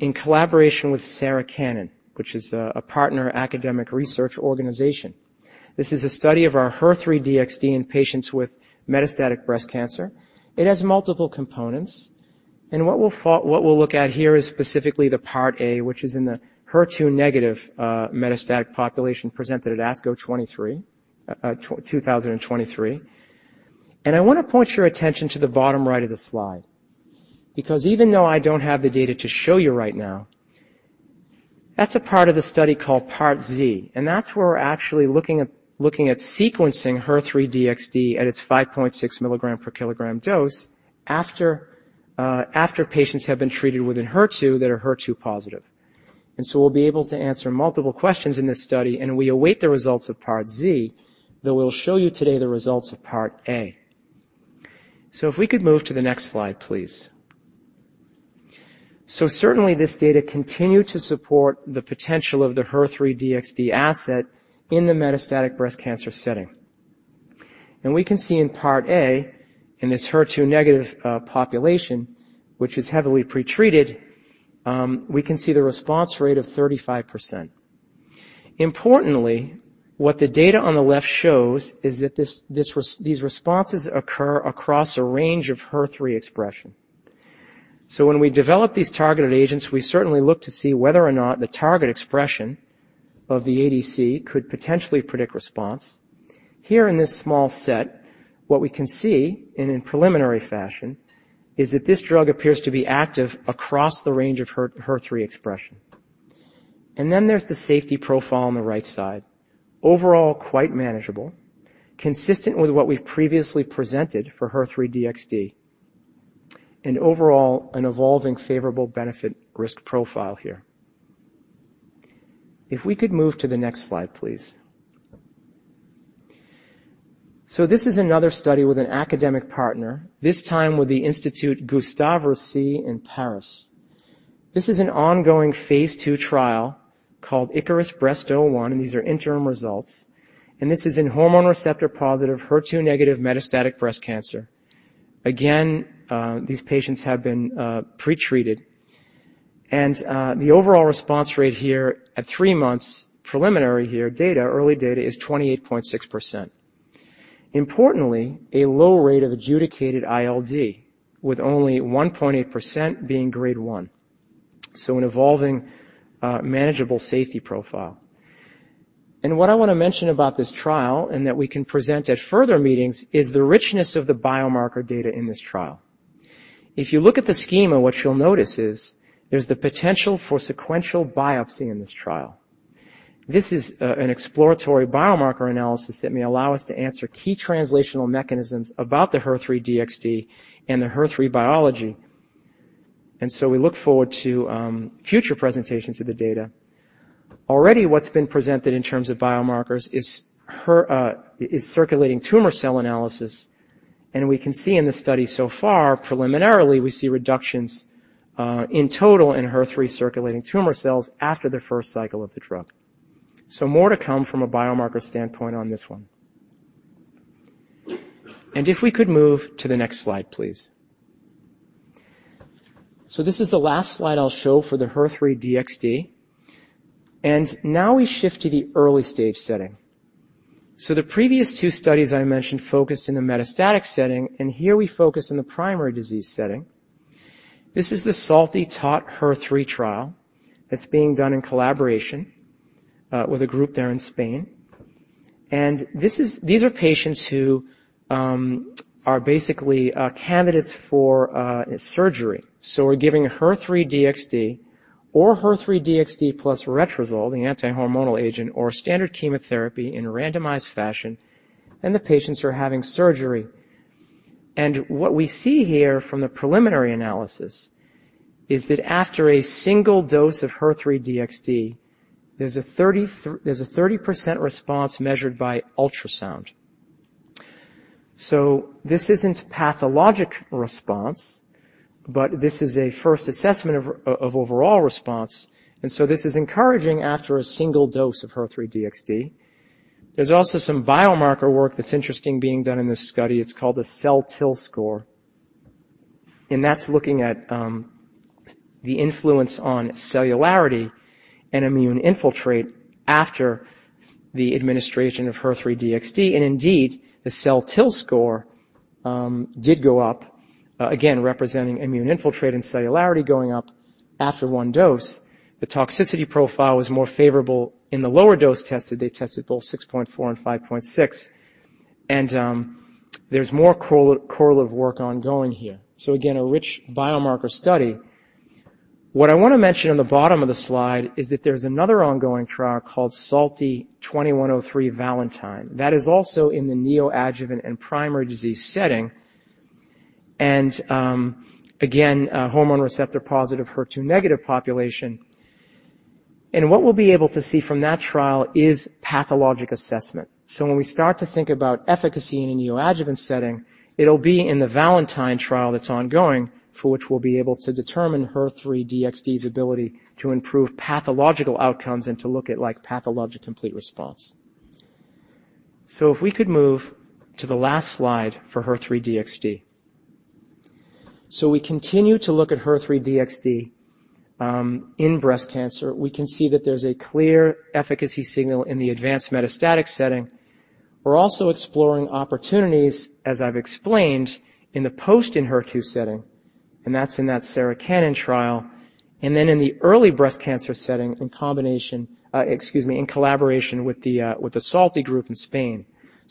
in collaboration with Sarah Cannon, which is a partner academic research organization. This is a study of our HER3-DXd in patients with metastatic breast cancer. It has multiple components. What we'll look at here is specifically the part A, which is in the HER2 negative metastatic population presented at ASCO 23 2023. I want to point your attention to the bottom right of the slide, because even though I don't have the data to show you right now, that's a part of the study called Part Z, and that's where we're actually looking at sequencing HER3-DXd at its 5.6 mg/kg dose after patients have been treated with an HER2 that are HER2 positive. We'll be able to answer multiple questions in this study, and we await the results of Part Z, though we'll show you today the results of Part A. If we could move to the next slide, please. Certainly, this data continue to support the potential of the HER3-DXd asset in the metastatic breast cancer setting. We can see in Part A, in this HER2 negative population, which is heavily pretreated, we can see the response rate of 35%. Importantly, what the data on the left shows is that these responses occur across a range of HER3 expression. When we develop these targeted agents, we certainly look to see whether or not the target expression of the ADC could potentially predict response. Here in this small set, what we can see in a preliminary fashion is that this drug appears to be active across the range of HER3 expression. There's the safety profile on the right side. Overall, quite manageable, consistent with what we've previously presented for HER3-DXd, and overall, an evolving favorable benefit-risk profile here. If we could move to the next slide, please. This is another study with an academic partner, this time with the Institute Gustave Roussy in Paris. This is an ongoing phase II trial called ICARUS-BREAST01. These are interim results. This is in hormone receptor-positive, HER2 negative metastatic breast cancer. Again, these patients have been pretreated, and the overall response rate here at three months, preliminary here, data, early data, is 28.6%. Importantly, a low rate of adjudicated ILD, with only 1.8% being Grade one, an evolving manageable safety profile. What I want to mention about this trial, and that we can present at further meetings, is the richness of the biomarker data in this trial. If you look at the schema, what you'll notice is there's the potential for sequential biopsy in this trial. This is an exploratory biomarker analysis that may allow us to answer key translational mechanisms about the HER3-DXd and the HER3 biology. We look forward to future presentations of the data. Already, what's been presented in terms of biomarkers is circulating tumor cell analysis, and we can see in the study so far, preliminarily, we see reductions in total in HER3 circulating tumor cells after the first cycle of the drug. More to come from a biomarker standpoint on this one. If we could move to the next slide, please. This is the last slide I'll show for the HER3-DXd, and now we shift to the early-stage setting. The previous two studies I mentioned focused in the metastatic setting. Here we focus on the primary disease setting. This is the SOLTI TOT-HER3 trial that's being done in collaboration with a group there in Spain. These are patients who are basically candidates for surgery. We're giving HER3-DXd or HER3-DXd plus letrozole, the anti-hormonal agent, or standard chemotherapy in a randomized fashion. The patients are having surgery. What we see here from the preliminary analysis is that after a single dose of HER3-DXd, there's a 30% response measured by ultrasound. This isn't pathologic response, but this is a first assessment of overall response. This is encouraging after a single dose of HER3-DXd. There's also some biomarker work that's interesting being done in this study. It's called the CelTIL score, and that's looking at the influence on cellularity and immune infiltrate after the administration of HER3-DXd. Indeed, the CelTIL score did go up, again, representing immune infiltrate and cellularity going up after one dose. The toxicity profile was more favorable in the lower dose tested. They tested both 6.4 and 5.6. There's more correlative work ongoing here. Again, a rich biomarker study. I want to mention on the bottom of the slide is that there's another ongoing trial called SOLTI-2103 VALENTINE. That is also in the neoadjuvant and primary disease setting and, again, a hormone receptor-positive, HER2-negative population. What we'll be able to see from that trial is pathologic assessment. When we start to think about efficacy in a neoadjuvant setting, it'll be in the VALENTINE trial that's ongoing, for which we'll be able to determine HER3-DXd's ability to improve pathological outcomes and to look at, like, pathologic complete response. If we could move to the last slide for HER3-DXd. We continue to look at HER3-DXd in breast cancer. We can see that there's a clear efficacy signal in the advanced metastatic setting. We're also exploring opportunities, as I've explained, in the post in HER2 setting, and that's in that Sarah Cannon trial. Then in the early breast cancer setting, in combination, excuse me, in collaboration with the SOLTI group in Spain.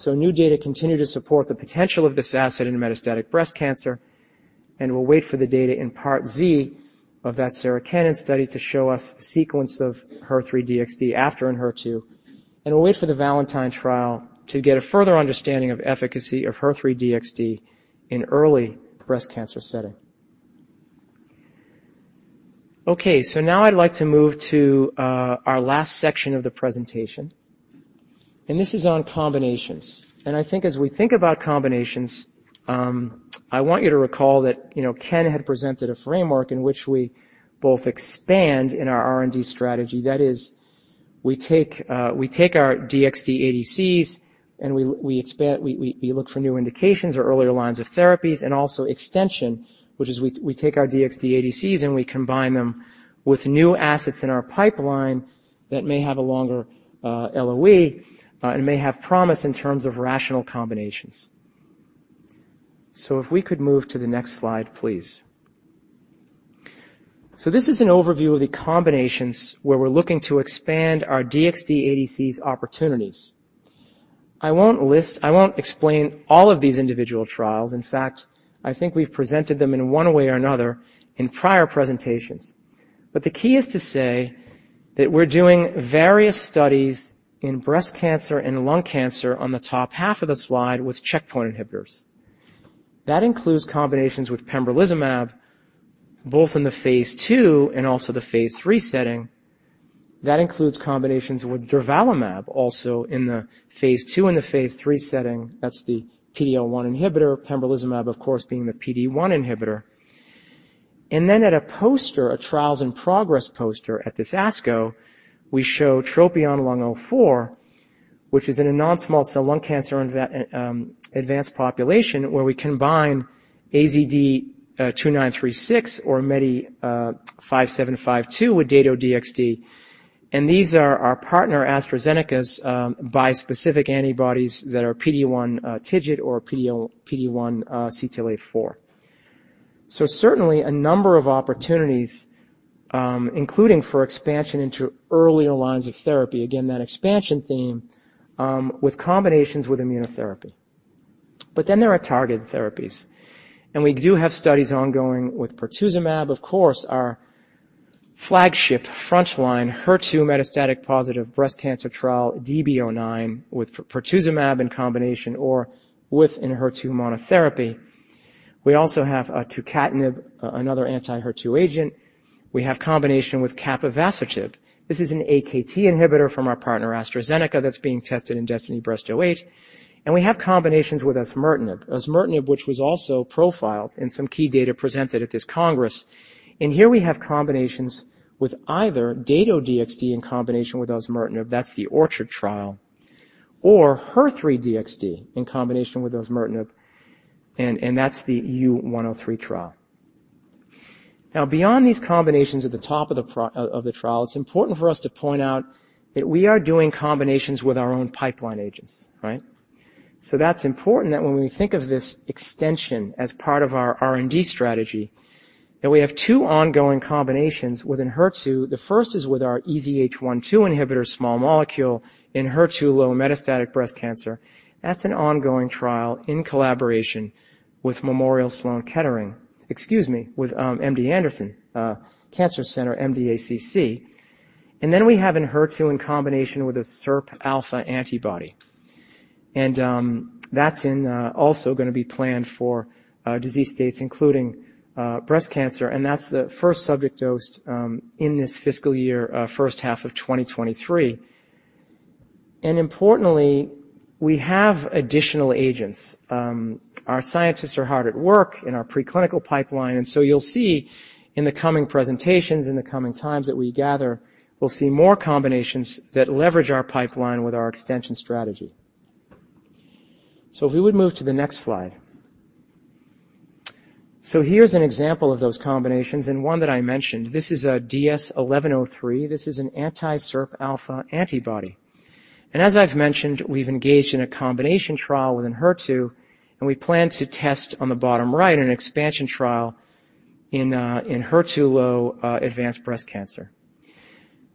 New data continue to support the potential of this asset in metastatic breast cancer, and we'll wait for the data in part Z of that Sarah Cannon study to show us the sequence of HER3-DXd after ENHERTU. We'll wait for the VALENTINE trial to get a further understanding of efficacy of HER3-DXd in early breast cancer setting. Now I'd like to move to our last section of the presentation, and this is on combinations. I think as we think about combinations, I want you to recall that, you know, Ken had presented a framework in which we both expand in our R&D strategy. That is, we take, we take our DXd ADCs, and we expand, we look for new indications or earlier lines of therapies and also extension, which is we take our DXd ADCs, and we combine them with new assets in our pipeline that may have a longer LOE and may have promise in terms of rational combinations. If we could move to the next slide, please. This is an overview of the combinations where we're looking to expand our DXd ADCs opportunities. I won't list, I won't explain all of these individual trials. In fact, I think we've presented them in one way or another in prior presentations. The key is to say that we're doing various studies in breast cancer and lung cancer on the top half of the slide with checkpoint inhibitors. That includes combinations with pembrolizumab, both in the phase II and also the phase III setting. That includes combinations with durvalumab, also in the phase II and the phase III setting. That's the PD-L1 inhibitor, pembrolizumab, of course, being the PD-1 inhibitor. At a poster, a trials and progress poster at this ASCO, we show TROPION-Lung04, which is in a non-small cell lung cancer advanced population, where we combine AZD2936 or MEDI5752 with Dato-DXd. These are our partner, AstraZeneca's, bispecific antibodies that are PD-1, TIGIT or PD-1, CTLA-4. Certainly, a number of opportunities, including for expansion into earlier lines of therapy, again, that expansion theme, with combinations with immunotherapy. There are targeted therapies, and we do have studies ongoing with pertuzumab. Of course, our flagship, frontline, HER2-metastatic positive breast cancer trial, DESTINY-Breast09, with pertuzumab in combination or with ENHERTU monotherapy. We also have tucatinib, another anti-HER2 agent. We have combination with capivasertib. This is an AKT inhibitor from our partner, AstraZeneca, that's being tested in DESTINY-Breast08, and we have combinations with osimertinib. Osimertinib, which was also profiled in some key data presented at this congress. Here we have combinations with either Dato-DXd in combination with osimertinib, that's the ORCHARD trial, or HER3-DXd in combination with osimertinib, and that's the ETUDE-103 trial. Beyond these combinations at the top of the trial, it's important for us to point out that we are doing combinations with our own pipeline agents, right? That's important that when we think of this extension as part of our R&D strategy, that we have two ongoing combinations with ENHERTU. The first is with our EZH1/2 inhibitor, small molecule, ENHERTU low metastatic breast cancer. That's an ongoing trial in collaboration with MD Anderson Cancer Center, MDACC. We have ENHERTU in combination with a SIRPα antibody. That's also going to be planned for disease states, including breast cancer, and that's the first subject dosed in this fiscal year, first half of 2023. Importantly, we have additional agents. Our scientists are hard at work in our preclinical pipeline, you'll see in the coming presentations, in the coming times that we gather, we'll see more combinations that leverage our pipeline with our extension strategy. If we would move to the next slide. Here's an example of those combinations and one that I mentioned. This is DS-1103. This is an anti-SIRPα antibody. As I've mentioned, we've engaged in a combination trial with ENHERTU, and we plan to test on the bottom right, an expansion trial in ENHERTU low advanced breast cancer.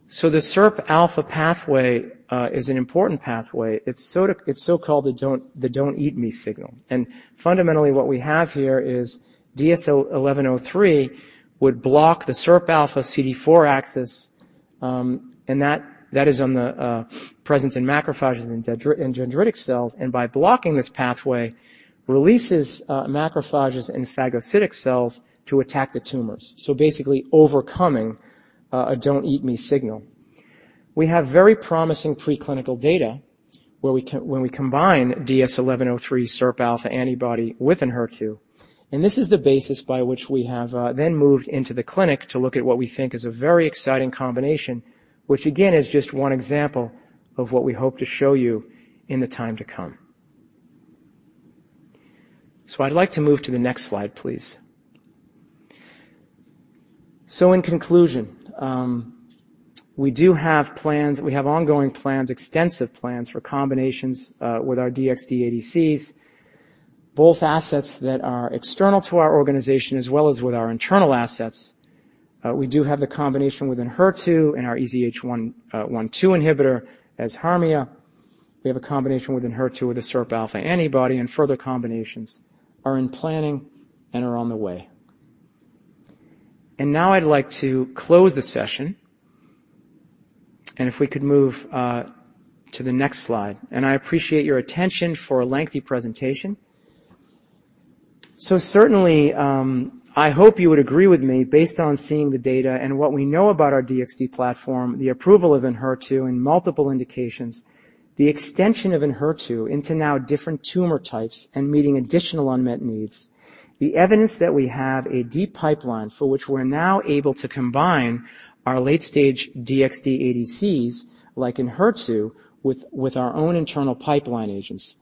The SIRPα pathway is an important pathway. It's so-called the don't eat me signal. Fundamentally, what we have here is DS-1103 would block the SIRPα CD47 axis, and that is on the presence in macrophages and in dendritic cells, and by blocking this pathway, releases macrophages and phagocytic cells to attack the tumors. Basically overcoming a don't eat me signal. We have very promising preclinical data, where we. when we combine DS-1103 SIRPα antibody with ENHERTU, and this is the basis by which we have then moved into the clinic to look at what we think is a very exciting combination, which again, is just one example of what we hope to show you in the time to come. I'd like to move to the next slide, please. In conclusion, we do have plans, we have ongoing plans, extensive plans for combinations with our DXd ADCs, both assets that are external to our organization as well as with our internal assets. We do have the combination with ENHERTU and our EZH1/2 inhibitor, as HARMONIA. We have a combination with ENHERTU with a SIRPα antibody, and further combinations are in planning and are on the way. Now I'd like to close the session, and if we could move to the next slide. I appreciate your attention for a lengthy presentation. Certainly, I hope you would agree with me, based on seeing the data and what we know about our DXd platform, the approval of ENHERTU in multiple indications, the extension of ENHERTU into now different tumor types and meeting additional unmet needs, the evidence that we have a deep pipeline for which we're now able to combine our late-stage DXd ADCs, like ENHERTU, with our own internal pipeline agents,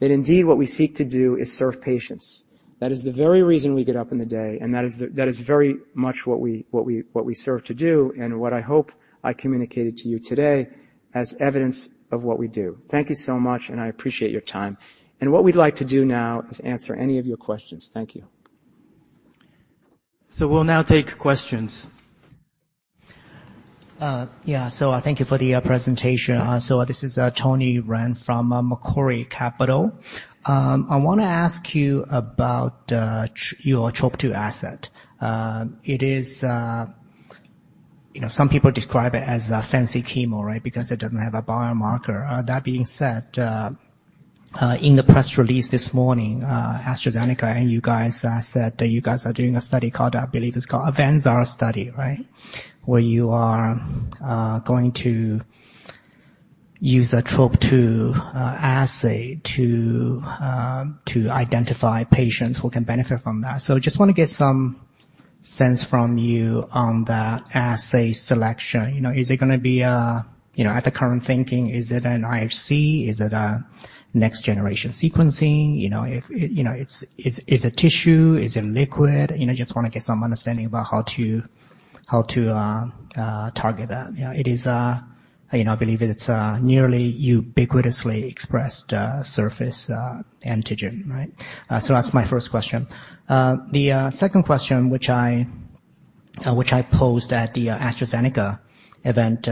that indeed, what we seek to do is serve patients. That is the very reason we get up in the day, and that is very much what we serve to do and what I hope I communicated to you today as evidence of what we do. Thank you so much, and I appreciate your time. What we'd like to do now is answer any of your questions. Thank you. We'll now take questions. Yeah, thank you for the presentation. This is Tony Ren from Macquarie Capital. I wanna ask you about your TROP2 asset. It is, you know, some people describe it as a fancy chemo, right? Because it doesn't have a biomarker. That being said, in the press release this morning, AstraZeneca and you guys said that you guys are doing a study called, I believe it's called AVANZAR study, right? Where you are going to use a TROP2 assay to identify patients who can benefit from that. Just wanna get some sense from you on that assay selection. You know, is it gonna be a, at the current thinking, is it an IHC? Is it a next-generation sequencing? Is it tissue? Is it liquid? You know, just wanna get some understanding about how to target that. You know. You know, I believe it's nearly ubiquitously expressed surface antigen, right? That's my first question. The second question, which I posed at the AstraZeneca event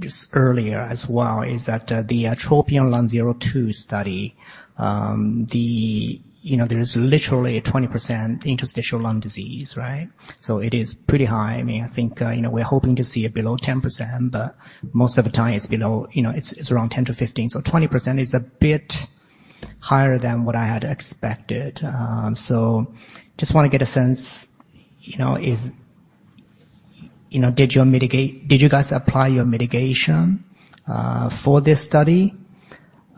just earlier as well, is that the TROPION-Lung02 study, you know, there's literally a 20% interstitial lung disease, right? It is pretty high. I mean, I think, you know, we're hoping to see it below 10%, but most of the time, it's below, you know, it's around 10-15. 20% is a bit higher than what I had expected. Just want to get a sense, you know, did you guys apply your mitigation for this study?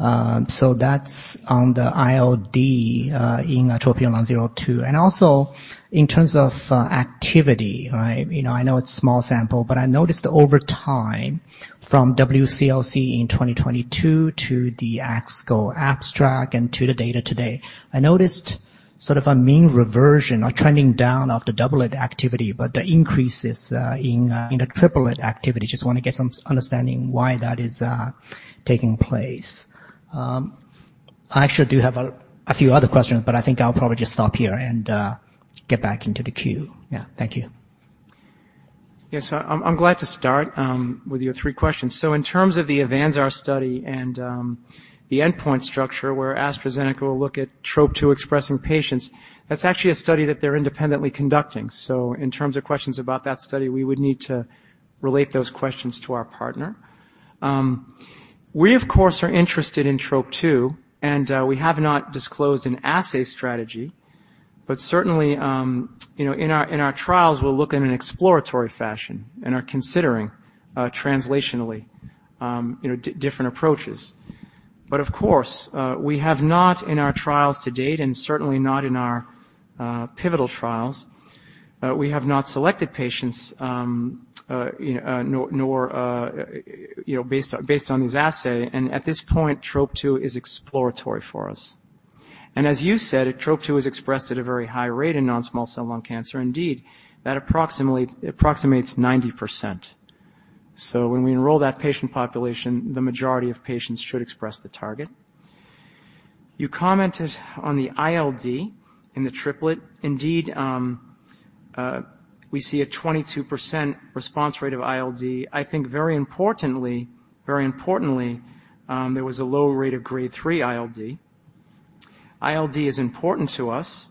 That's on the ILD in TROPION-Lung02. In terms of activity, right? You know, I know it's small sample, but I noticed over time, from WCLC in 2022 to the ASCO abstract and to the data today, I noticed sort of a mean reversion or trending down of the doublet activity, but the increases in the triplet activity. Just want to get some understanding why that is taking place. I actually do have a few other questions, but I think I'll probably just stop here and get back into the queue. Yeah. Thank you. Yes, I'm glad to start with your three questions. In terms of the AVANZAR study and the endpoint structure, where AstraZeneca will look at TROP2 expressing patients, that's actually a study that they're independently conducting. In terms of questions about that study, we would need to relate those questions to our partner. We, of course, are interested in TROP2, and we have not disclosed an assay strategy, but certainly, you know, in our trials, we'll look in an exploratory fashion and are considering translationally, you know, different approaches. Of course, we have not in our trials to date, and certainly not in our pivotal trials, we have not selected patients, you know, nor, you know, based on this assay. At this point, TROP2 is exploratory for us. As you said, TROP2 is expressed at a very high rate in non-small cell lung cancer. Indeed, that approximates 90%. When we enroll that patient population, the majority of patients should express the target. You commented on the ILD in the triplet. Indeed, we see a 22% response rate of ILD. I think very importantly, there was a low rate of Grade three ILD. ILD is important to us.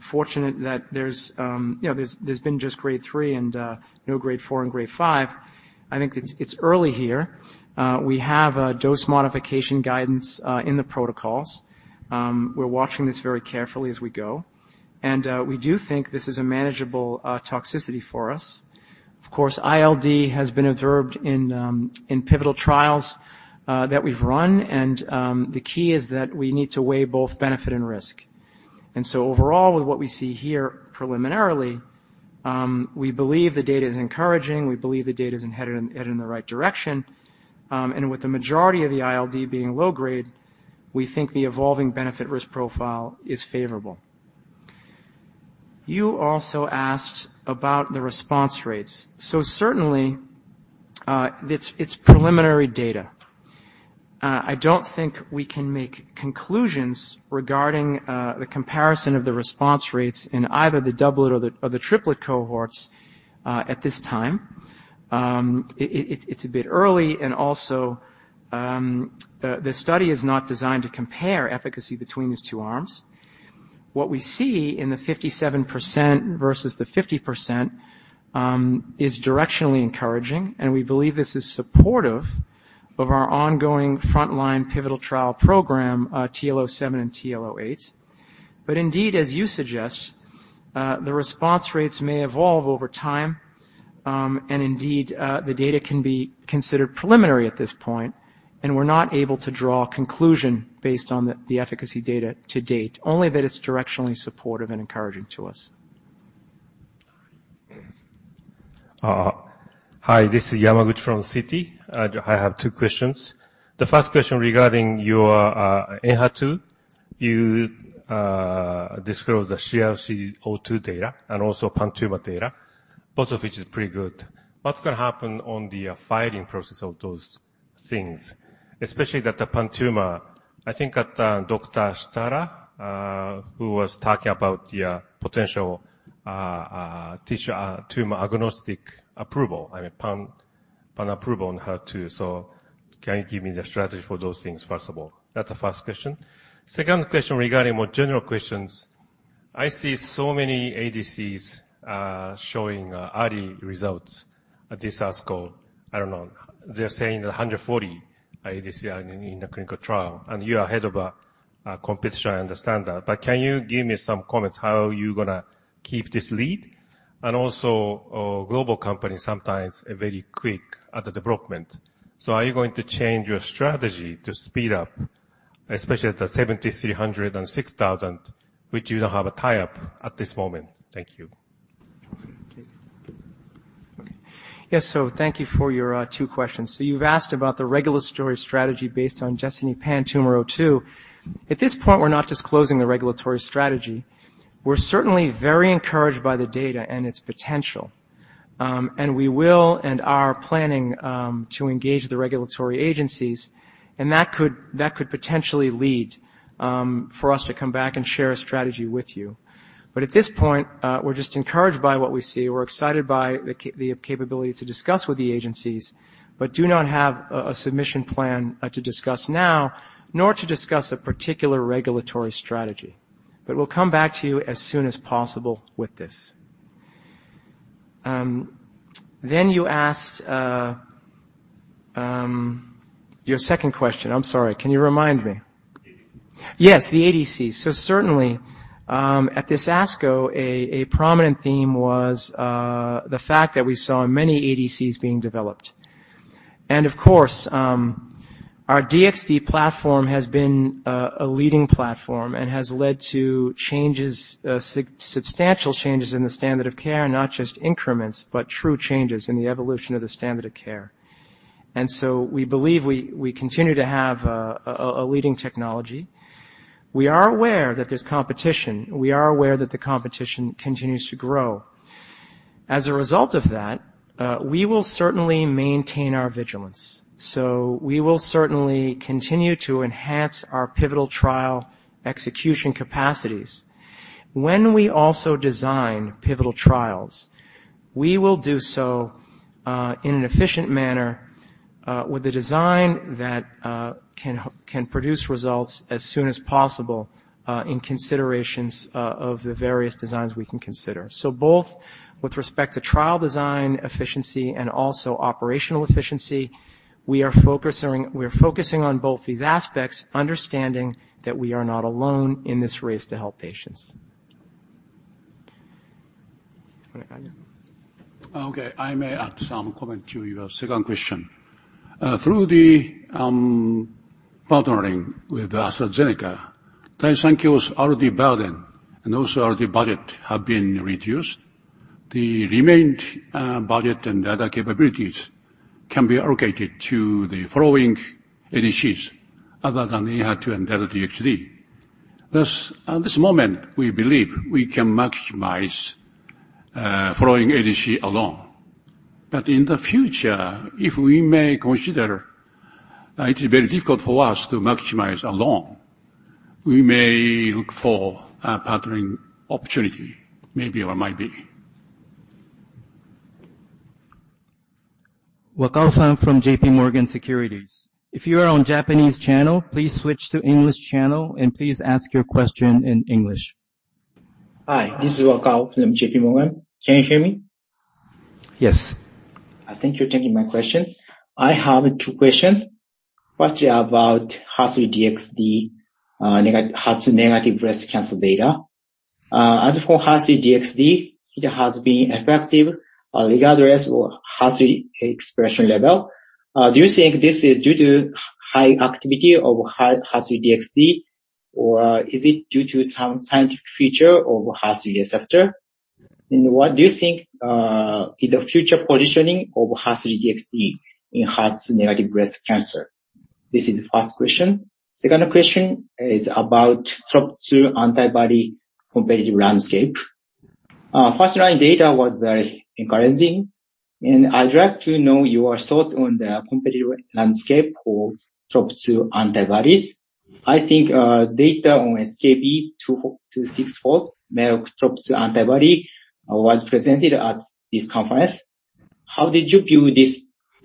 Fortunate that there's, you know, there's been just Grade three and no Grade four and Grade five. I think it's early here. We have a dose modification guidance in the protocols. We're watching this very carefully as we go, and we do think this is a manageable toxicity for us. Of course, ILD has been observed in pivotal trials that we've run, and the key is that we need to weigh both benefit and risk. Overall, with what we see here preliminarily, we believe the data is encouraging. We believe the data is headed in the right direction. With the majority of the ILD being low grade, we think the evolving benefit risk profile is favorable. You also asked about the response rates. Certainly, it's preliminary data. I don't think we can make conclusions regarding the comparison of the response rates in either the doublet or the triplet cohorts, at this time. It's a bit early, and also, the study is not designed to compare efficacy between these two arms. What we see in the 57% versus the 50%, is directionally encouraging, and we believe this is supportive of our ongoing frontline pivotal trial program, TL07 and TL08. Indeed, as you suggest, the response rates may evolve over time, and indeed, the data can be considered preliminary at this point, and we're not able to draw a conclusion based on the efficacy data to date, only that it's directionally supportive and encouraging to us. Hi, this is Yamaguchi from Citi. I have two questions. The first question regarding your HER2. You disclosed the DESTINY-CRC02 data and also pan-tumor data, both of which is pretty good. What's gonna happen on the filing process of those things? Especially that the pan-tumor, I think that Aditya Bardia, who was talking about the potential tissue tumor-agnostic approval, I mean, pan-approval on HER2. Can you give me the strategy for those things, first of all? That's the first question. Second question, regarding more general questions. I see so many ADCs showing early results at this ASCO. I don't know. They're saying 140 ADC are in the clinical trial, and you are ahead of our competition, I understand that. Can you give me some comments, how are you gonna keep this lead? Also, global companies sometimes are very quick at the development. Are you going to change your strategy to speed up, especially at the 7,300 and 6,000, which you don't have a tie-up at this moment? Thank you. Yes, thank you for your two questions. You've asked about the regulatory strategy based on DESTINY-PanTumor02. At this point, we're not disclosing the regulatory strategy. We're certainly very encouraged by the data and its potential. We will and are planning to engage the regulatory agencies, and that could potentially lead for us to come back and share a strategy with you. At this point, we're just encouraged by what we see. We're excited by the capability to discuss with the agencies, but do not have a submission plan to discuss now, nor to discuss a particular regulatory strategy. We'll come back to you as soon as possible with this. You asked, Your second question. I'm sorry, can you remind me? ADC. The ADCs. Certainly, at this ASCO, a prominent theme was the fact that we saw many ADCs being developed. Of course, our DXd platform has been a leading platform and has led to substantial changes in the standard of care, not just increments, but true changes in the evolution of the standard of care. We believe we continue to have a leading technology. We are aware that there's competition. We are aware that the competition continues to grow. As a result of that, we will certainly maintain our vigilance. We will certainly continue to enhance our pivotal trial execution capacities. When we also design pivotal trials, we will do so in an efficient manner, with a design that can produce results as soon as possible, in considerations of the various designs we can consider. Both with respect to trial design, efficiency, and also operational efficiency, we're focusing on both these aspects, understanding that we are not alone in this race to help patients. Want to add? I may add some comment to your second question. through the partnering with AstraZeneca, Daiichi Sankyo's R&D burden and also R&D budget have been reduced. The remained budget and data capabilities can be allocated to the following ADCs other than HER2 and Dato-DXd. At this moment, we believe we can maximize following ADC alone. In the future, if we may consider it is very difficult for us to maximize alone, we may look for a partnering opportunity, maybe or might be. Wakao-san from JPMorgan Securities. If you are on Japanese channel, please switch to English channel and please ask your question in English. Hi, this is Wakao from JPMorgan. Can you hear me? Yes. I thank you for taking my question. I have two question. Firstly, about HER3-DXd HER3-negative breast cancer data. As for HER3-DXd, it has been effective regardless of HER3 expression level. Do you think this is due to high activity of HER3-DXd, or is it due to some scientific feature of HER3 receptor? What do you think is the future positioning of HER3-DXd in HER3-negative breast cancer? This is the first question. Second question is about TROP2 antibody competitive landscape. First-line data was very encouraging, and I'd like to know your thought on the competitive landscape for TROP2 antibodies. I think data on SKB264 Merck TROP2 antibody was presented at this conference. How did you view this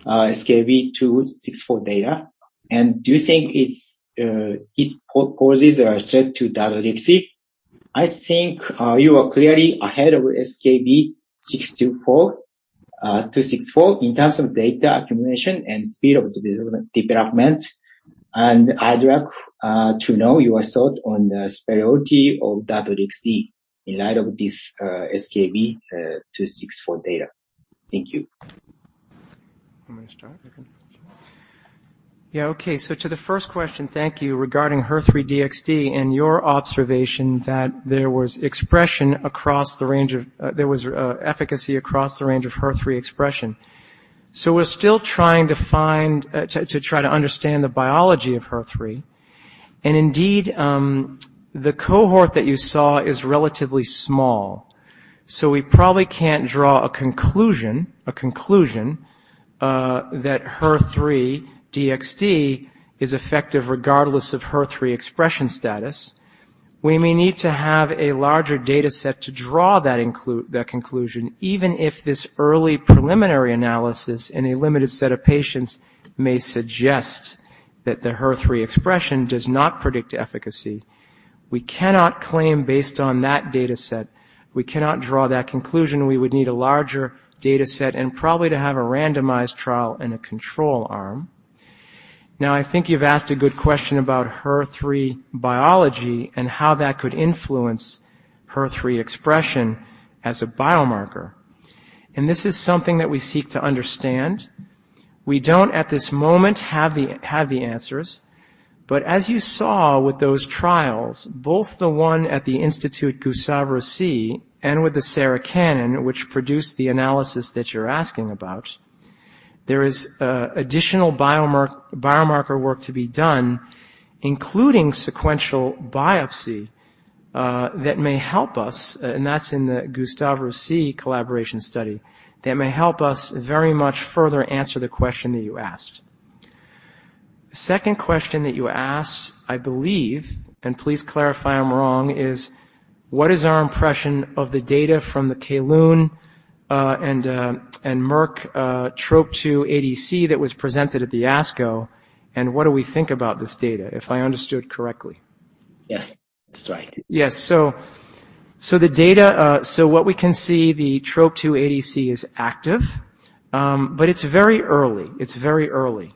SKB264 data? Do you think it's it poses a threat to that DXd? I think, you are clearly ahead of SKB264 in terms of data accumulation and speed of development. I'd like to know your thought on the superiority of that DXd in light of this SKB264 data. Thank you. You want me to start? Yeah, okay. To the first question, thank you, regarding HER3-DXd and your observation that there was expression across the range of... there was efficacy across the range of HER3 expression. We're still trying to understand the biology of HER3. Indeed, the cohort that you saw is relatively small, so we probably can't draw a conclusion that HER3-DXd is effective regardless of HER3 expression status. We may need to have a larger data set to draw that conclusion, even if this early preliminary analysis in a limited set of patients may suggest that the HER3 expression does not predict efficacy. We cannot claim based on that data set, we cannot draw that conclusion. We would need a larger data set and probably to have a randomized trial and a control arm. Now, I think you've asked a good question about HER3 biology and how that could influence HER3 expression as a biomarker. This is something that we seek to understand. We don't, at this moment, have the answers. As you saw with those trials, both the one at the Institut Gustave Roussy and with the Sarah Cannon, which produced the analysis that you're asking about. There is additional biomarker work to be done, including sequential biopsy, that may help us, and that's in the Gustave Roussy collaboration study, that may help us very much further answer the question that you asked. The second question that you asked, I believe, and please clarify I'm wrong, is: what is our impression of the data from the Kelun-Biotech, and Merck, TROP2 ADC that was presented at the ASCO, and what do we think about this data? If I understood correctly. Yes, that's right. Yes. The data, what we can see, the TROP2 ADC is active, but it's very early. It's very early.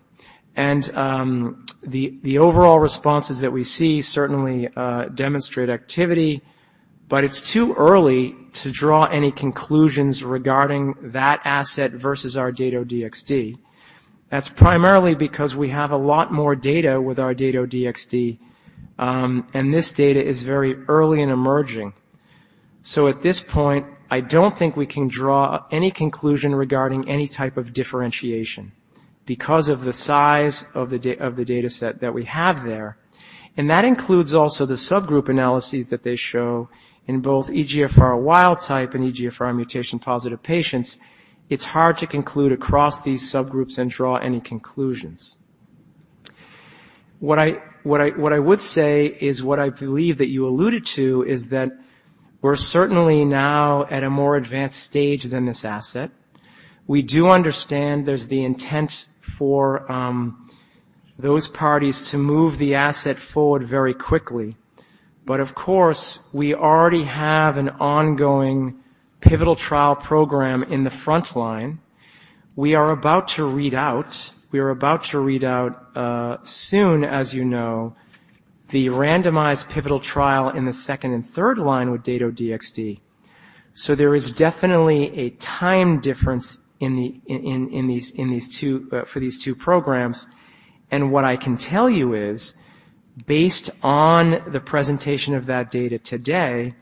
The overall responses that we see certainly demonstrate activity, but it's too early to draw any conclusions regarding that asset versus our Dato-DXd. That's primarily because we have a lot more data with our Dato-DXd, and this data is very early and emerging. At this point, I don't think we can draw any conclusion regarding any type of differentiation because of the size of the data set that we have there, and that includes also the subgroup analyses that they show in both EGFR wild type and EGFR mutation-positive patients. It's hard to conclude across these subgroups and draw any conclusions. What I would say is, what I believe that you alluded to, is that we're certainly now at a more advanced stage than this asset. We do understand there's the intent for those parties to move the asset forward very quickly. Of course, we already have an ongoing pivotal trial program in the frontline. We are about to read out soon, as you know, the randomized pivotal trial in the second and third line with Dato-DXd. There is definitely a time difference in these two for these two programs. What I can tell you is, based on the presentation of that data today,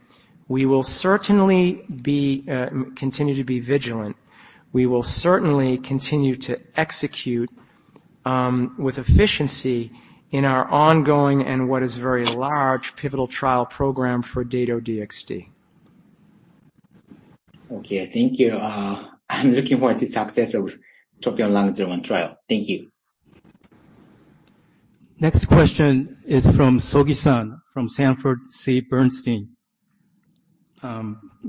we will certainly be continue to be vigilant. We will certainly continue to execute with efficiency in our ongoing and what is very large pivotal trial program for Dato-DXd. Okay, thank you. I'm looking forward to success of TROPION-Lung01 trial. Thank you. Next question is from Miki Sogi from Sanford C. Bernstein.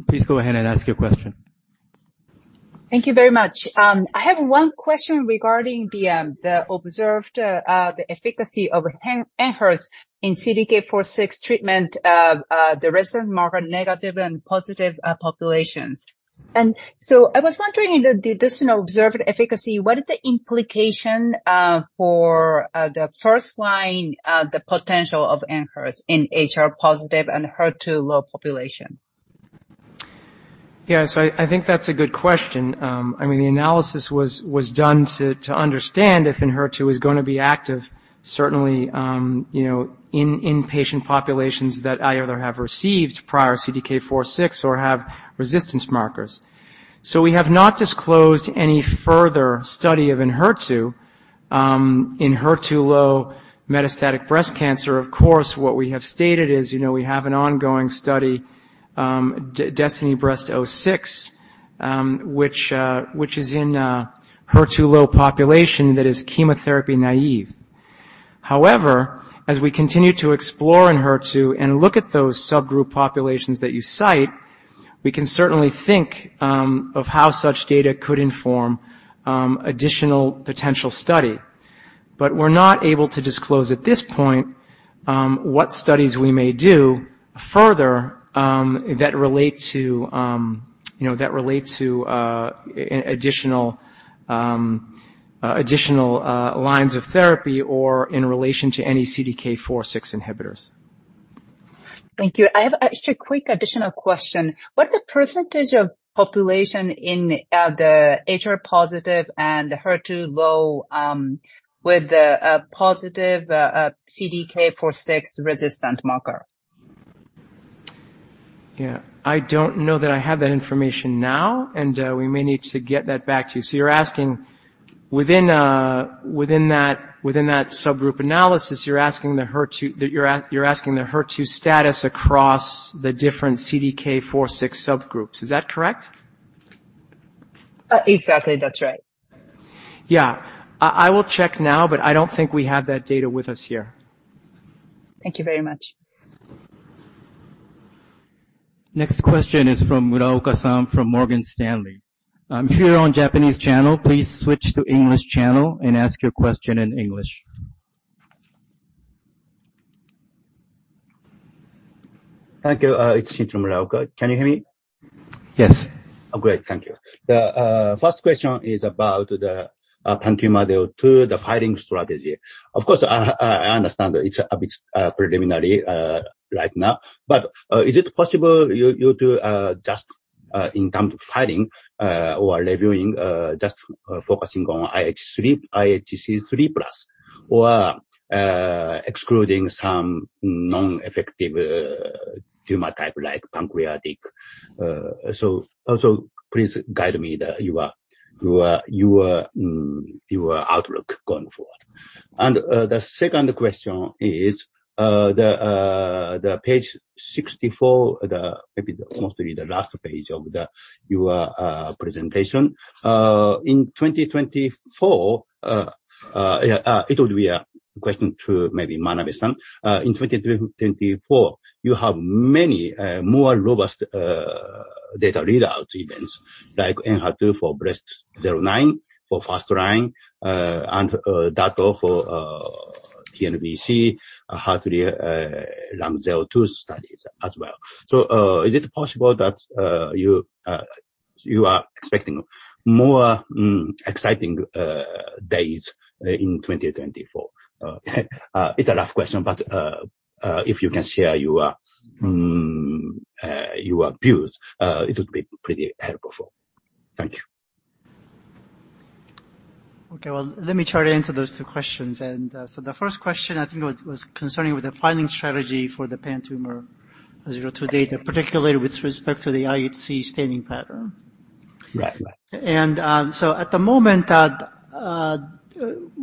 Please go ahead and ask your question. Thank you very much. I have 1 question regarding the observed efficacy of ENHERTU in CDK4/6 treatment, the recent marker-negative and positive populations. I was wondering, this observed efficacy, what is the implication for the first-line potential of ENHERTU in HR positive and HER2 low population? Yes, I think that's a good question. I mean, the analysis was done to understand if ENHERTU is going to be active, certainly, you know, in patient populations that either have received prior CDK4/6 or have resistance markers. We have not disclosed any further study of ENHERTU in HER2-low metastatic breast cancer. Of course, what we have stated is, you know, we have an ongoing study, DESTINY-Breast06, which is in a HER2-low population that is chemotherapy naive. However, as we continue to explore in HER2 and look at those subgroup populations that you cite, we can certainly think of how such data could inform additional potential study. We're not able to disclose at this point, what studies we may do further, that relate to, you know, that relate to, additional lines of therapy or in relation to any CDK4/6 inhibitors. Thank you. I have a quick additional question. What's the percentage of population in the HR-positive and HER2-low with the positive CDK4/6 resistant marker? Yeah. I don't know that I have that information now, we may need to get that back to you. You're asking within that subgroup analysis, you're asking the HER2 status across the different CDK4/6 subgroups. Is that correct? Exactly. That's right. Yeah. I will check now, but I don't think we have that data with us here. Thank you very much. Next question is from Muraoka-san, from Morgan Stanley. Here on Japanese channel, please switch to English channel and ask your question in English. Thank you. It's Shinichiro Muraoka. Can you hear me? Yes. Great. Thank you. The first question is about the pembrolizumab, the filing strategy. Of course, I understand that it's a bit preliminary right now, but is it possible you do just in terms of filing or reviewing just focusing on IH3, IHC 3+, or excluding some non-effective tumor type, like pancreatic. Also, please guide me that your outlook going forward. The second question is the page 64, the maybe mostly the last page of your presentation. In 2024, yeah, it will be a question to maybe Manabe-san. In 2024, you have many more robust data readout events, like ENHERTU for Breast09, for first line, and data for TNBC, HER3 Lung02 studies as well. Is it possible that you are expecting more exciting days in 2024? It's a rough question, but if you can share your views, it would be pretty helpful. Thank you. Okay, well, let me try to answer those two questions. The first question I think was concerning with the filing strategy for the DESTINY-PanTumor02 data, particularly with respect to the IHC staining pattern. Right. Right. At the moment,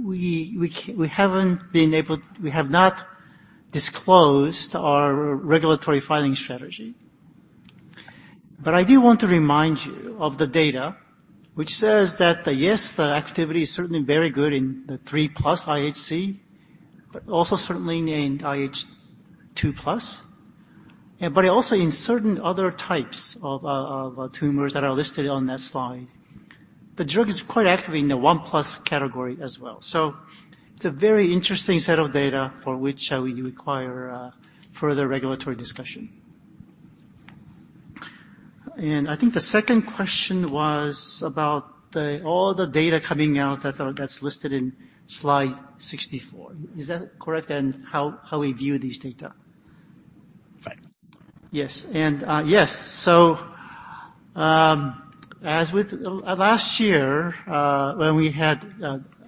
we have not disclosed our regulatory filing strategy. I do want to remind you of the data which says that, yes, the activity is certainly very good in the 3+ IHC, but also certainly in IHC 2+, but also in certain other types of tumors that are listed on that slide. The drug is quite active in the 1 plus category as well. It's a very interesting set of data for which we require further regulatory discussion. I think the second question was about the all the data coming out that's listed in slide 64. Is that correct? How we view these data? Right. Yes, yes. As with last year, when we had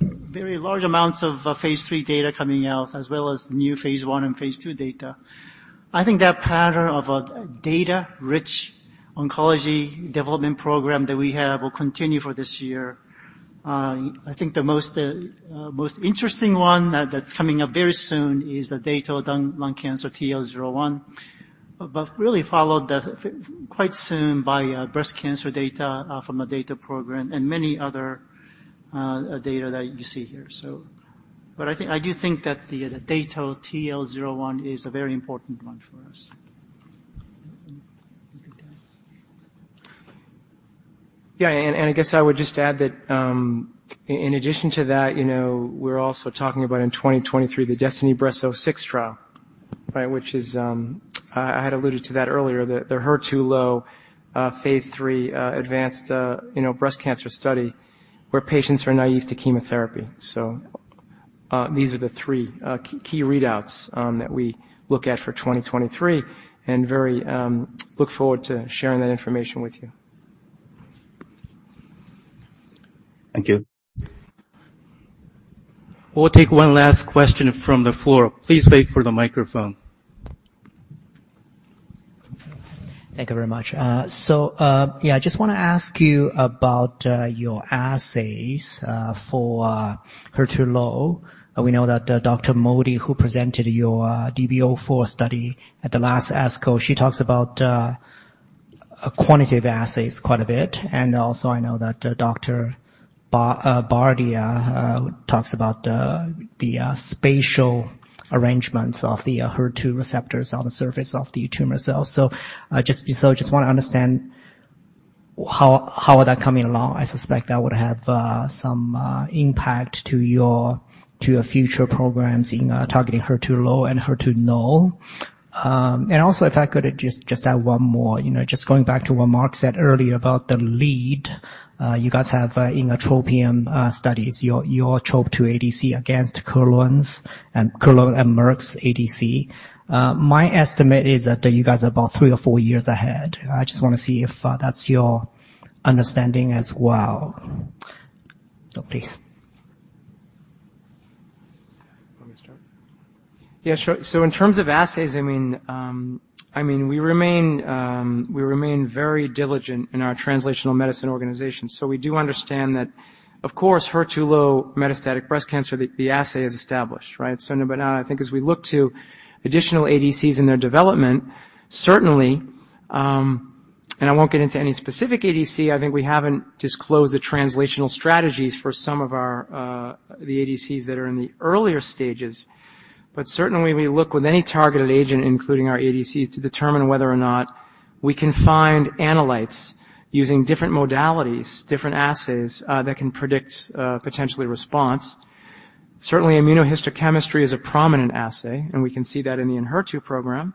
very large amounts of phase III data coming out, as well as new phase I and phase II data, I think that pattern of a data-rich oncology development program that we have will continue for this year. I think the most interesting one that's coming up very soon is the data on lung cancer TL01. Really followed that quite soon by breast cancer data from a data program and many other data that you see here, so. I do think that the data TL01 is a very important one for us. I guess I would just add that, in addition to that, you know, we're also talking about in 2023, the DESTINY-Breast06 trial, right? Which is, I had alluded to that earlier, the HER2-low, phase III, advanced, you know, breast cancer study, where patients are naive to chemotherapy. These are the 3 key readouts that we look at for 2023, and very look forward to sharing that information with you. Thank you. We'll take one last question from the floor. Please wait for the microphone. Thank you very much. Yeah, I just want to ask you about your assays for HER2-low. We know that Dr. Modi, who presented your DESTINY-Breast04 study at the last ASCO, she talks about a quantitative assays quite a bit. Also, I know that Dr. Bardia talks about the spatial arrangements of the HER2 receptors on the surface of the tumor cells. Just so I just want to understand how are that coming along? I suspect that would have some impact to your future programs in targeting HER2-low and HER2-null. If I could just add one more, you know, just going back to what Mark said earlier about the lead, you guys have in TROPION studies, your TROP2 ADC against Kelun's and Merck's ADC. My estimate is that you guys are about three or four years ahead. I just want to see if that's your understanding as well. Please. You want me to start? Yeah, sure. In terms of assays, I mean, we remain very diligent in our translational medicine organization. We do understand that, of course, HER2-low metastatic breast cancer, the assay is established, right? I think as we look to additional ADCs in their development, certainly, and I won't get into any specific ADC, I think we haven't disclosed the translational strategies for some of our the ADCs that are in the earlier stages. Certainly, we look with any targeted agent, including our ADCs, to determine whether or not we can find analytes using different modalities, different assays, that can predict, potentially response. Certainly, immunohistochemistry is a prominent assay, and we can see that in the ENHERTU program.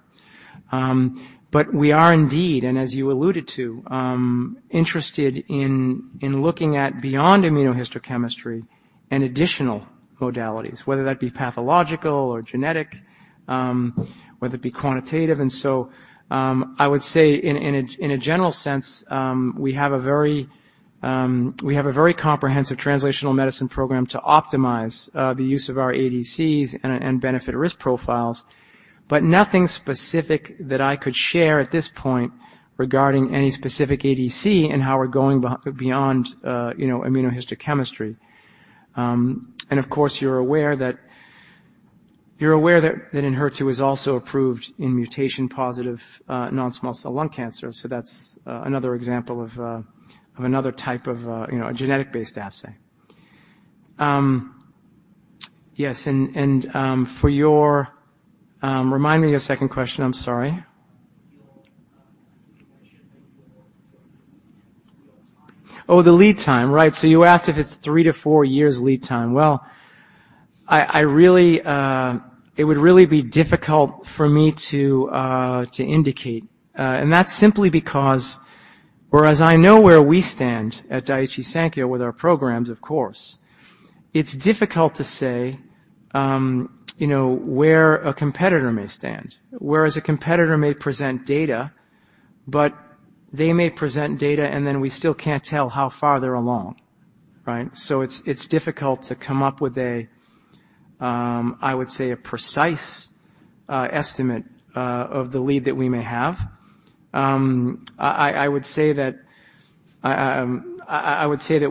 We are indeed, and as you alluded to, interested in looking at beyond immunohistochemistry and additional modalities, whether that be pathological or genetic, whether it be quantitative. I would say in a general sense, we have a very comprehensive translational medicine program to optimize the use of our ADCs and benefit risk profiles. Nothing specific that I could share at this point regarding any specific ADC and how we're going beyond, you know, immunohistochemistry. Of course, you're aware that ENHERTU is also approved in mutation-positive, non-small cell lung cancer, so that's another example of another type of, you know, a genetic-based assay. Yes, and for your... Remind me of your second question, I'm sorry. Your question about your lead time. Oh, the lead time, right. You asked if it's three to four years lead time. Well, I really, it would really be difficult for me to indicate, and that's simply because whereas I know where we stand at Daiichi Sankyo with our programs, of course, it's difficult to say, you know, where a competitor may stand. Whereas a competitor may present data, but they may present data, and then we still can't tell how far they're along, right? It's difficult to come up with a, I would say, a precise estimate of the lead that we may have. I would say that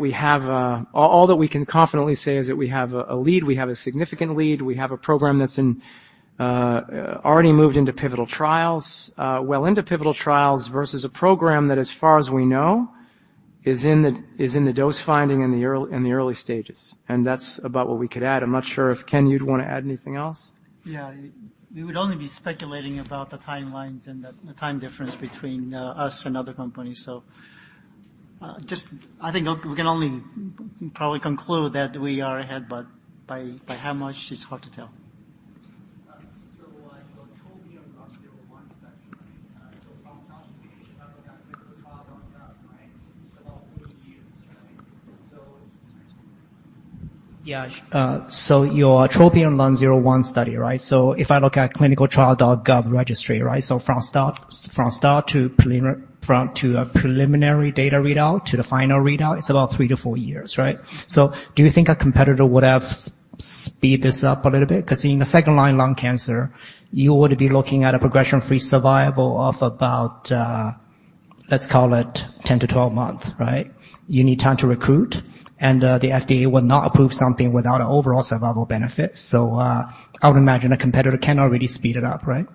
we have... All that we can confidently say is that we have a lead, we have a significant lead, we have a program that's in already moved into pivotal trials, well into pivotal trials, versus a program that, as far as we know, is in the dose finding in the early stages. That's about what we could add. I'm not sure if, Ken, you'd want to add anything else? Yeah. We would only be speculating about the timelines and the time difference between us and other companies. Just I think we can only probably conclude that we are ahead, but by how much, it's hard to tell. Like TROPION-Lung01 study, right? From start to the clinical trial on that, right, it's about three years, right? Yeah, your TROPION-Lung01 study, right? If I look at ClinicalTrials.gov registry, right? From start to a preliminary data readout to the final readout, it's about three-four years, right? Do you think a competitor would have speed this up a little bit? Because in the second-line lung cancer, you would be looking at a progression-free survival of about, let's call it 10-12 months, right? You need time to recruit, and the FDA will not approve something without an overall survival benefit. I would imagine a competitor cannot really speed it up, right?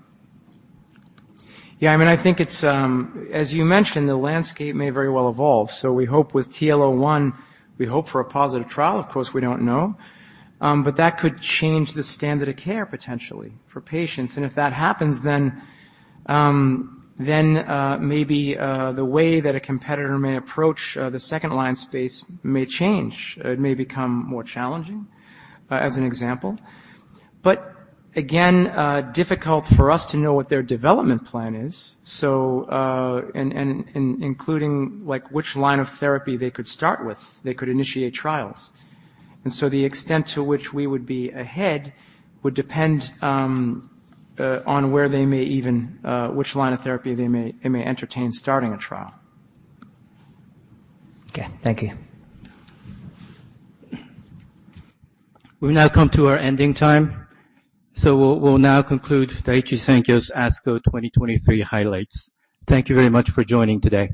Yeah, I mean, I think it's, as you mentioned, the landscape may very well evolve. We hope with TL01, we hope for a positive trial. Of course, we don't know. That could change the standard of care potentially for patients. If that happens, then, maybe, the way that a competitor may approach, the second-line space may change. It may become more challenging, as an example. Again, difficult for us to know what their development plan is, so, and including, like, which line of therapy they could start with, they could initiate trials. The extent to which we would be ahead would depend, on where they may even, which line of therapy they may entertain starting a trial. Okay. Thank you. We've now come to our ending time, so we'll now conclude Daiichi Sankyo's ASCO 2023 highlights. Thank you very much for joining today.